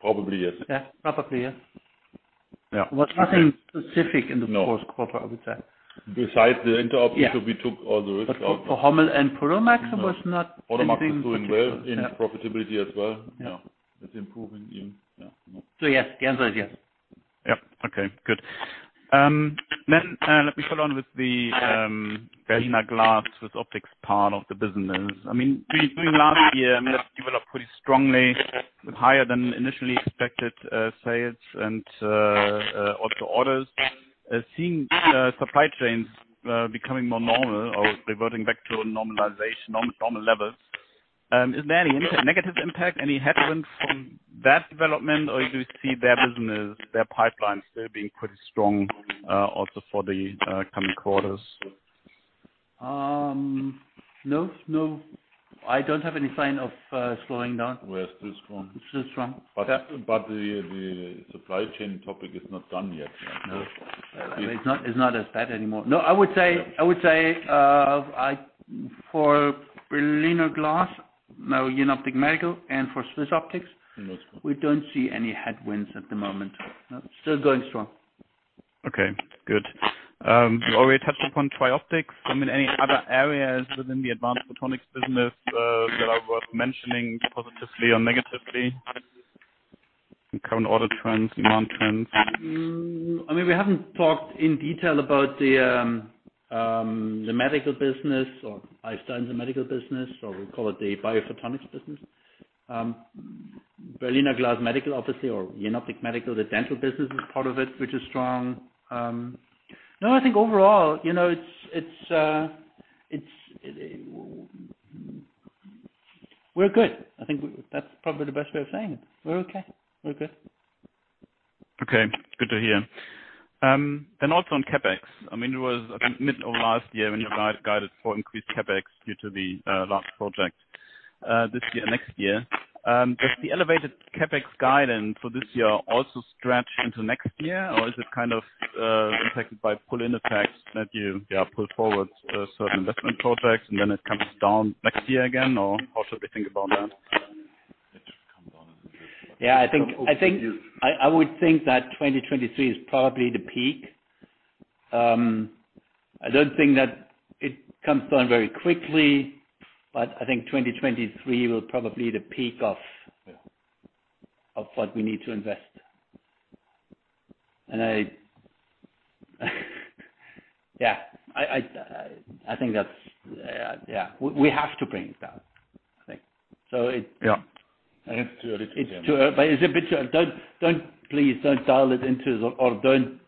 Probably, yes. Yeah. Probably, yes. Yeah. There was nothing specific in the fourth quarter, I would say. Besides the INTEROB issue, we took all the risk out. for HOMMEL and Prodomax was not anything. Prodomax is doing well in profitability as well. Yeah. It's improving, yeah. Yeah. Yes, the answer is yes. Yeah. Okay, good. Let me follow on with the Berliner Glas, SwissOptic part of the business. I mean, during last year, I mean, it developed pretty strongly with higher than initially expected sales and also orders. Seeing supply chains becoming more normal or reverting back to a normalization on normal levels, is there any impact, negative impact, any headwinds from that development? Or you see their business, their pipeline still being pretty strong also for the coming quarters? No, no. I don't have any sign of slowing down. We're still strong. Still strong. Yeah. The supply chain topic is not done yet. No, it's not as bad anymore. No, I would say- Yeah. I would say, for Berliner Glas, now Jenoptik Medical, and for SwissOptic. Also. We don't see any headwinds at the moment. No, still going strong. Okay, good. you already touched upon TRIOPTICS. I mean, any other areas within the advanced photonics business that are worth mentioning positively or negatively? Current order trends, demand trends. I mean, we haven't talked in detail about the medical business or Einstein, the medical business, or we call it the biophotonics business. Berliner Glas Medical obviously, or Jenoptik Medical, the dental business is part of it, which is strong. I think overall, you know, it's We're good. I think that's probably the best way of saying it. We're okay. We're good. Okay. Good to hear. Also on CapEx, I mean, it was, I think, mid of last year when you guys guided for increased CapEx due to the last project this year, next year. Does the elevated CapEx guidance for this year also stretch into next year? Is it kind of impacted by pull-in effects that you, yeah, pull forward certain investment projects and then it comes down next year again? How should we think about that? It should come down next year. Yeah, I think. I would think that 2023 is probably the peak. I don't think that it comes down very quickly, but I think 2023 will probably the peak. Yeah. Of what we need to invest. Yeah, I think that's, yeah. We have to bring it down, I think. Yeah. I have to agree with him. It's true. It's a bit. Don't please, don't dial it into or don't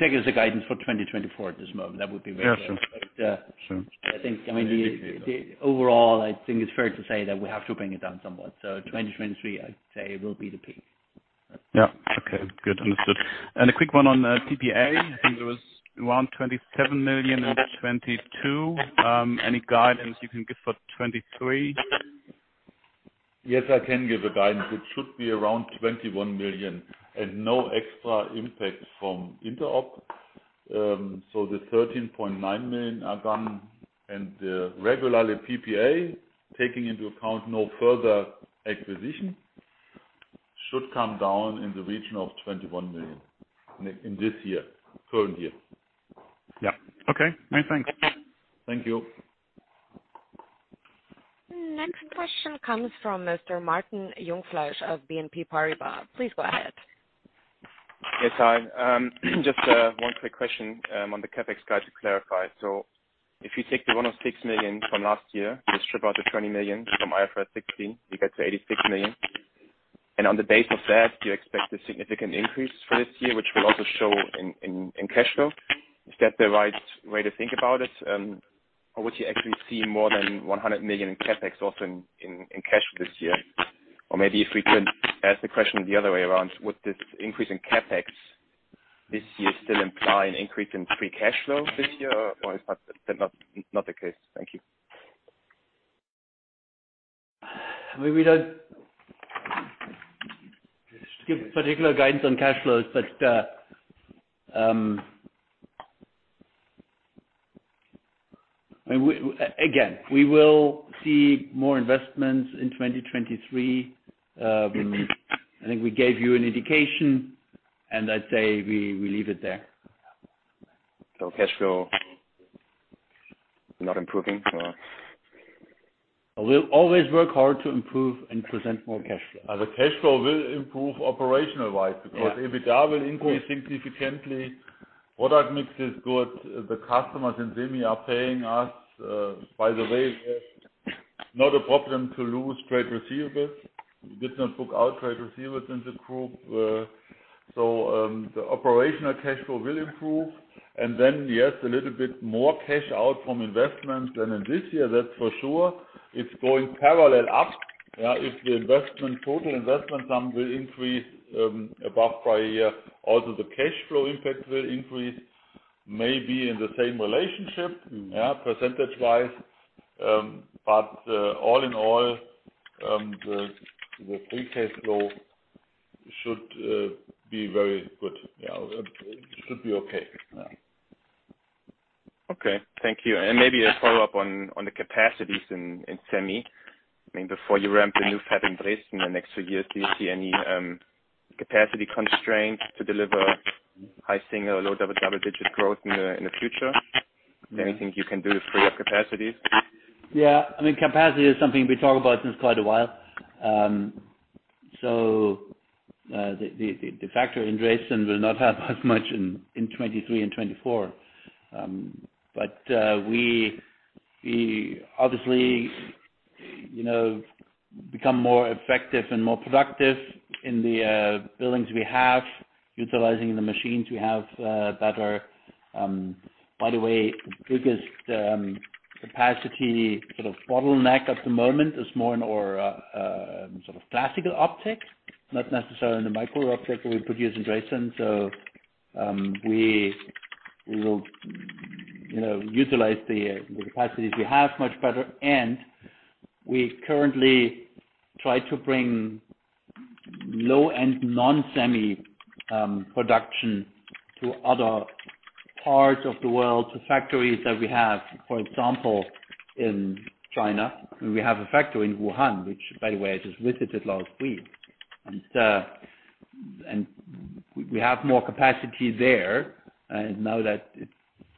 take it as a guidance for 2024 at this moment. Yeah, sure. But, uh- Sure. I think, I mean, the overall, I think it's fair to say that we have to bring it down somewhat. 2023, I'd say will be the peak. Yeah. Okay, good. Understood. A quick one on PPA. I think it was around 27 million in 2022. Any guidance you can give for 2023? I can give a guidance. It should be around 21 million and no extra impact from INTEROB. The 13.9 million are done and regularly PPA taking into account no further acquisition should come down in the region of 21 million in this year, current year. Yeah. Okay. Many thanks. Thank you. Next question comes from Mr. Martin Jungfleisch of BNP Paribas. Please go ahead. Yes. Hi. Just one quick question on the CapEx guide to clarify. If you take the 106 million from last year, just strip out the 20 million from IFRS 16, you get to 86 million. On the base of that, do you expect a significant increase for this year, which will also show in cash flow? Is that the right way to think about it, or would you actually see more than 100 million in CapEx also in cash this year? Maybe if we could ask the question the other way around, would this increase in CapEx this year still imply an increase in free cash flow this year or is that not the case? Thank you. We don't give particular guidance on cash flows, but again, we will see more investments in 2023. We, I think we gave you an indication. I'd say we leave it there. cash flow not improving or? We'll always work hard to improve and present more cash flow. The cash flow will improve operational-wise. Yeah. EBITDA will increase significantly. Product mix is good. The customers in Semi are paying us. By the way, we have not a problem to lose trade receivables. We did not book our trade receivables in the group. The operational cash flow will improve. Then, yes, a little bit more cash out from investments. In this year, that's for sure, it's going parallel up. If the investment, total investment sum will increase, above prior year, also the cash flow impact will increase maybe in the same relationship, yeah, percentage-wise. All in all, the free cash flow should be very good. Yeah. It should be okay. Yeah. Okay. Thank you. Maybe a follow-up on the capacities in Semi. I mean, before you ramp the new fab in Dresden in the next two years, do you see any capacity constraints to deliver high single or low double-digit growth in the future? Is there anything you can do to free up capacity? I mean, capacity is something we've talked about since quite a while. The factory in Dresden will not help us much in 2023 and 2024. We obviously, you know, become more effective and more productive in the buildings we have, utilizing the machines we have better. By the way, the biggest capacity sort of bottleneck at the moment is more in our sort of classical optics, not necessarily in the micro optics that we produce in Dresden. We will, you know, utilize the capacities we have much better. We currently try to bring low-end non-Semi production to other parts of the world, to factories that we have, for example, in China. We have a factory in Wuhan, which by the way, I just visited last week. We have more capacity there. Now that it's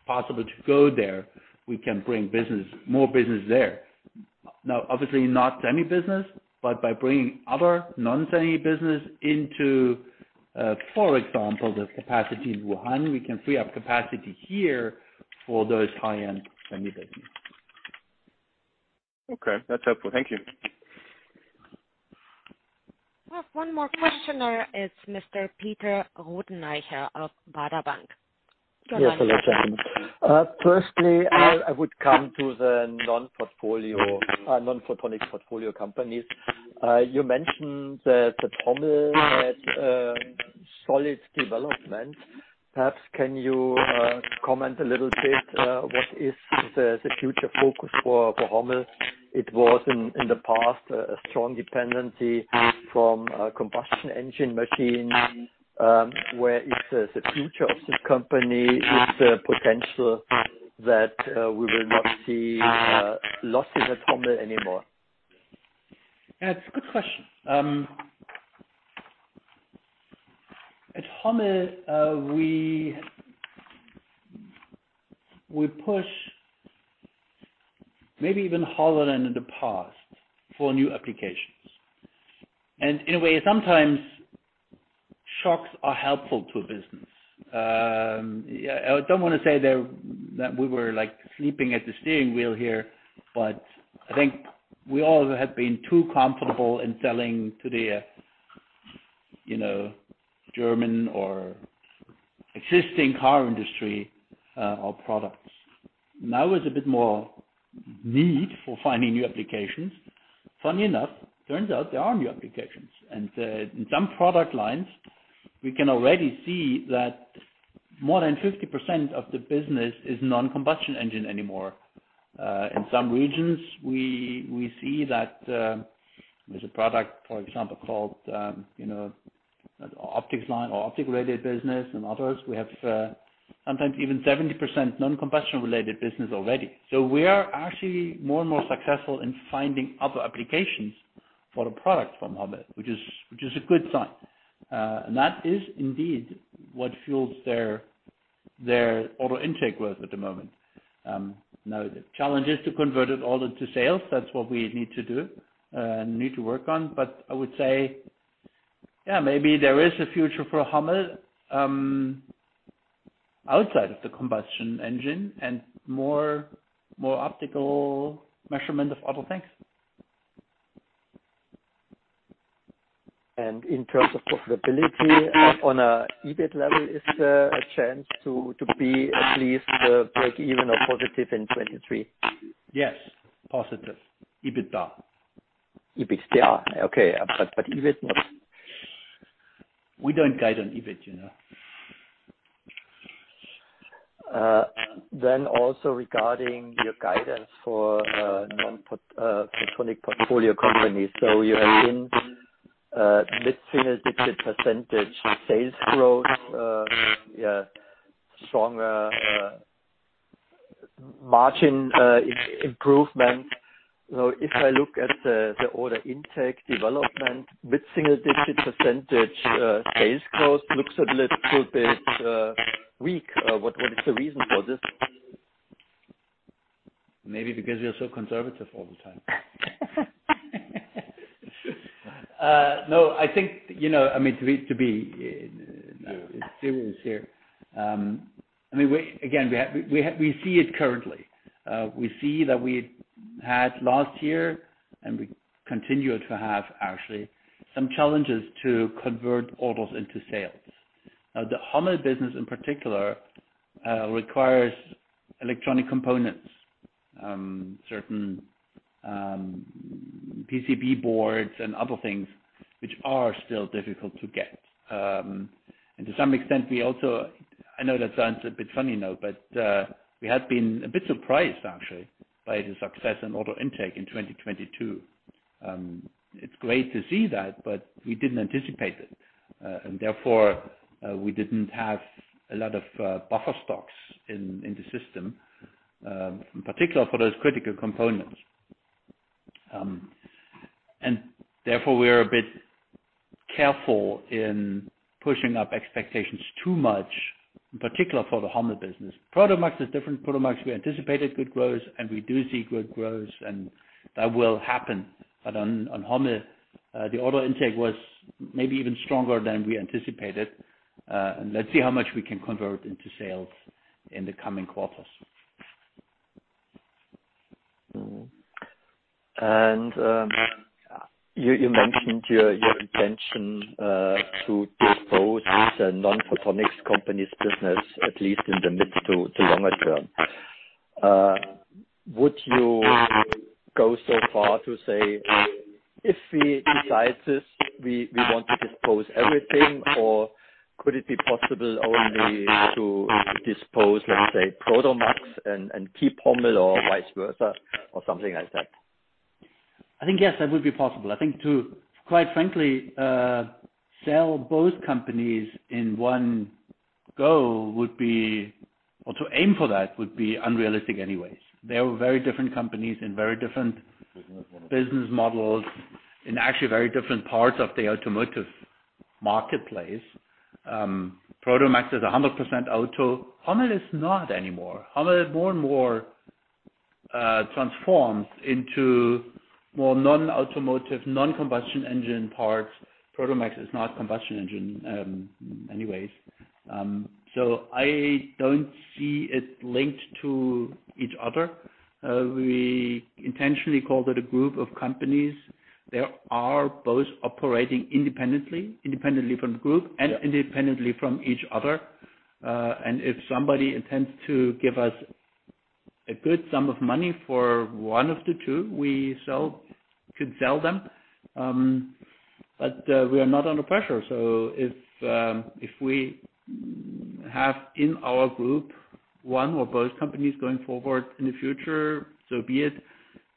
possible to go there, we can bring business, more business there. Obviously not Semi business, but by bringing other non-Semi business into, for example, the capacity in Wuhan, we can free up capacity here for those high-end Semi business. Okay. That's helpful. Thank you. We have one more questioner. It's Mr. Peter Rothenaicher of Baader Bank. Go ahead. Yes. Hello, gentlemen. Firstly, I would come to the non-portfolio, non-photonic portfolio companies. You mentioned that HOMMEL had solid development. Perhaps can you comment a little bit, what is the future focus for HOMMEL? It was in the past, a strong dependency from combustion engine machine. Where is the future of this company? Is there potential that we will not see losses at HOMMEL anymore? That's a good question. At HOMMEL, we push maybe even harder than in the past for new applications. In a way, sometimes shocks are helpful to a business. I don't wanna say that we were like sleeping at the steering wheel here, but I think we all have been too comfortable in selling to the, you know, German or existing car industry, our products. Now there's a bit more need for finding new applications. Funny enough, turns out there are new applications. In some product lines, we can already see that more than 50% of the business is non-combustion engine anymore. In some regions we see that there's a product, for example, called, you know, optics line or optic related business and others. We have sometimes even 70% non-combustion related business already. We are actually more and more successful in finding other applications for the product from HOMMEL, which is a good sign. That is indeed what fuels their auto intake worth at the moment. Now the challenge is to convert it all into sales. That's what we need to do, and need to work on. I would say, yeah, maybe there is a future for HOMMEL, outside of the combustion engine and more, more optical measurement of other things. In terms of profitability on a EBIT level, is there a chance to be at least, break even or positive in 2023? Yes. Positive. EBITDA. EBITDA. Okay. EBIT. We don't guide on EBIT, you know. Also regarding your guidance for non-photonic portfolio companies. You're in mid-single-digit percentage on sales growth, stronger margin improvement. If I look at the order intake development with single digit % sales growth looks a little bit weak. What is the reason for this? Maybe because you're so conservative all the time. No, I think to be serious here, again, we see it currently. We see that we had last year, we continue to have actually some challenges to convert orders into sales. The HOMMEL business in particular requires electronic components, certain PCB boards and other things which are still difficult to get. To some extent, we also... I know that sounds a bit funny now, but we have been a bit surprised actually by the success in auto intake in 2022. It's great to see that, we didn't anticipate it. Therefore, we didn't have a lot of buffer stocks in the system in particular for those critical components. Therefore, we're a bit careful in pushing up expectations too much, in particular for the HOMMEL business. Prodomax is different. Prodomax, we anticipated good growth, and we do see good growth, and that will happen. On HOMMEL, the auto intake was maybe even stronger than we anticipated. Let's see how much we can convert into sales in the coming quarters. You mentioned your intention to dispose the non-photonics company's business, at least in the mid to longer term. Would you go so far to say, if we decide this, we want to dispose everything? Or could it be possible only to dispose, let's say, Prodomax and keep HOMMEL or vice versa or something like that? I think, yes, that would be possible. I think to, quite frankly, sell both companies in one go would be, or to aim for that would be unrealistic anyways. They are very different companies in very different business models, in actually very different parts of the automotive marketplace. Prodomax is 100% auto. HOMMEL is not anymore. HOMMEL more and more transforms into more non-automotive, non-combustion engine parts. Prodomax is not combustion engine anyways. I don't see it linked to each other. We intentionally called it a group of companies. They are both operating independently from the group and independently from each other. If somebody intends to give us a good sum of money for one of the two we sell, could sell them. We are not under pressure. If we have in our group one or both companies going forward in the future, so be it.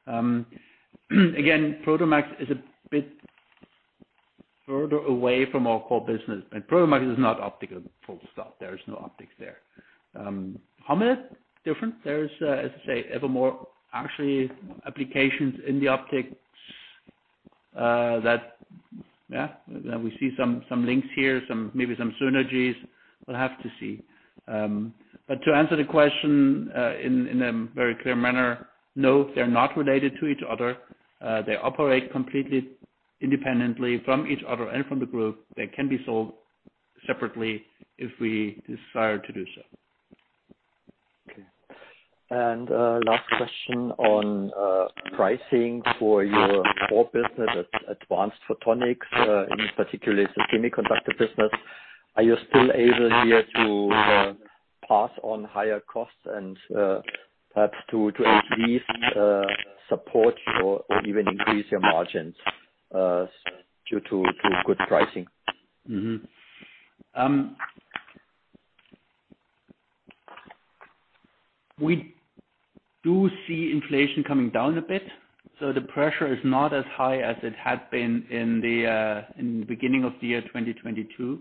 Again, Prodomax is a bit further away from our core business, and Prodomax is not optical full stop. There is no optics there. HOMMEL, different. There is, as I say, evermore actually applications in the optics that we see some links here, some, maybe some synergies. We'll have to see. To answer the question in a very clear manner, no, they're not related to each other. They operate completely independently from each other and from the group. They can be sold separately if we desire to do so. Okay. Last question on pricing for your core business at Advanced Photonics, in particular, the semiconductor business. Are you still able here to pass on higher costs and perhaps to at least support your or even increase your margins due to good pricing? We do see inflation coming down a bit. The pressure is not as high as it had been in the beginning of the year, 2022,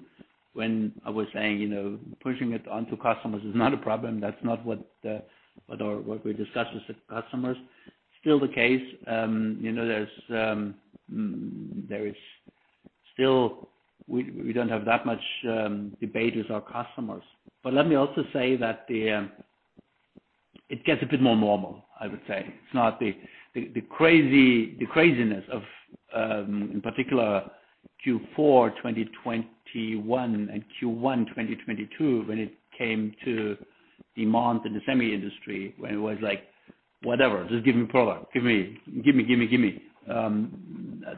when I was saying, you know, pushing it onto customers is not a problem. That's not what we discussed with the customers. Still the case, you know, there is still we don't have that much debate with our customers. Let me also say that it gets a bit more normal, I would say. It's not the craziness of in particular Q4, 2021 and Q1, 2022, when it came to demand in the semi industry, when it was like, "Whatever, just give me product. Give me, give me, give me, give me."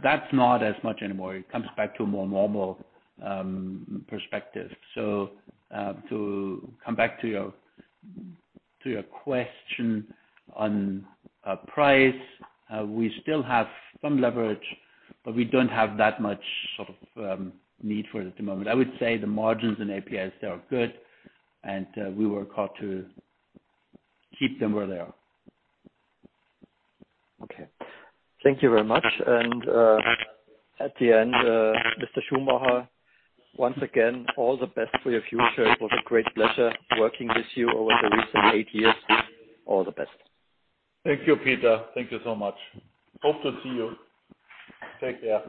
That's not as much anymore. It comes back to a more normal perspective. To come back to your, to your question on price, we still have some leverage, but we don't have that much sort of need for it at the moment. I would say the margins in APS are good, and we work hard to keep them where they are. Okay. Thank you very much. At the end, Mr. Schumacher, once again, all the best for your future. It was a great pleasure working with you over the recent eight years. All the best. Thank you, Peter. Thank you so much. Hope to see you. Take care.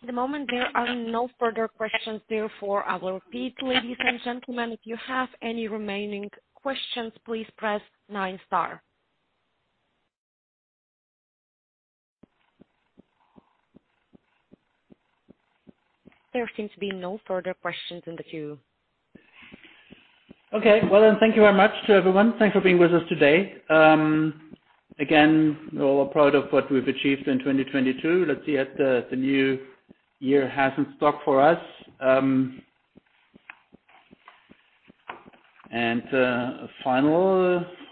At the moment, there are no further questions therefore, I will repeat, ladies and gentlemen. If you have any remaining questions, please press nine star. There seems to be no further questions in the queue. Okay. Well, thank you very much to everyone. Thanks for being with us today. Again, we're all proud of what we've achieved in 2022. Let's see what the new year has in stock for us. Final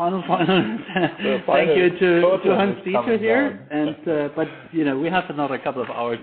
thank you to Hans-Dieter here. You know, we have another couple of hours.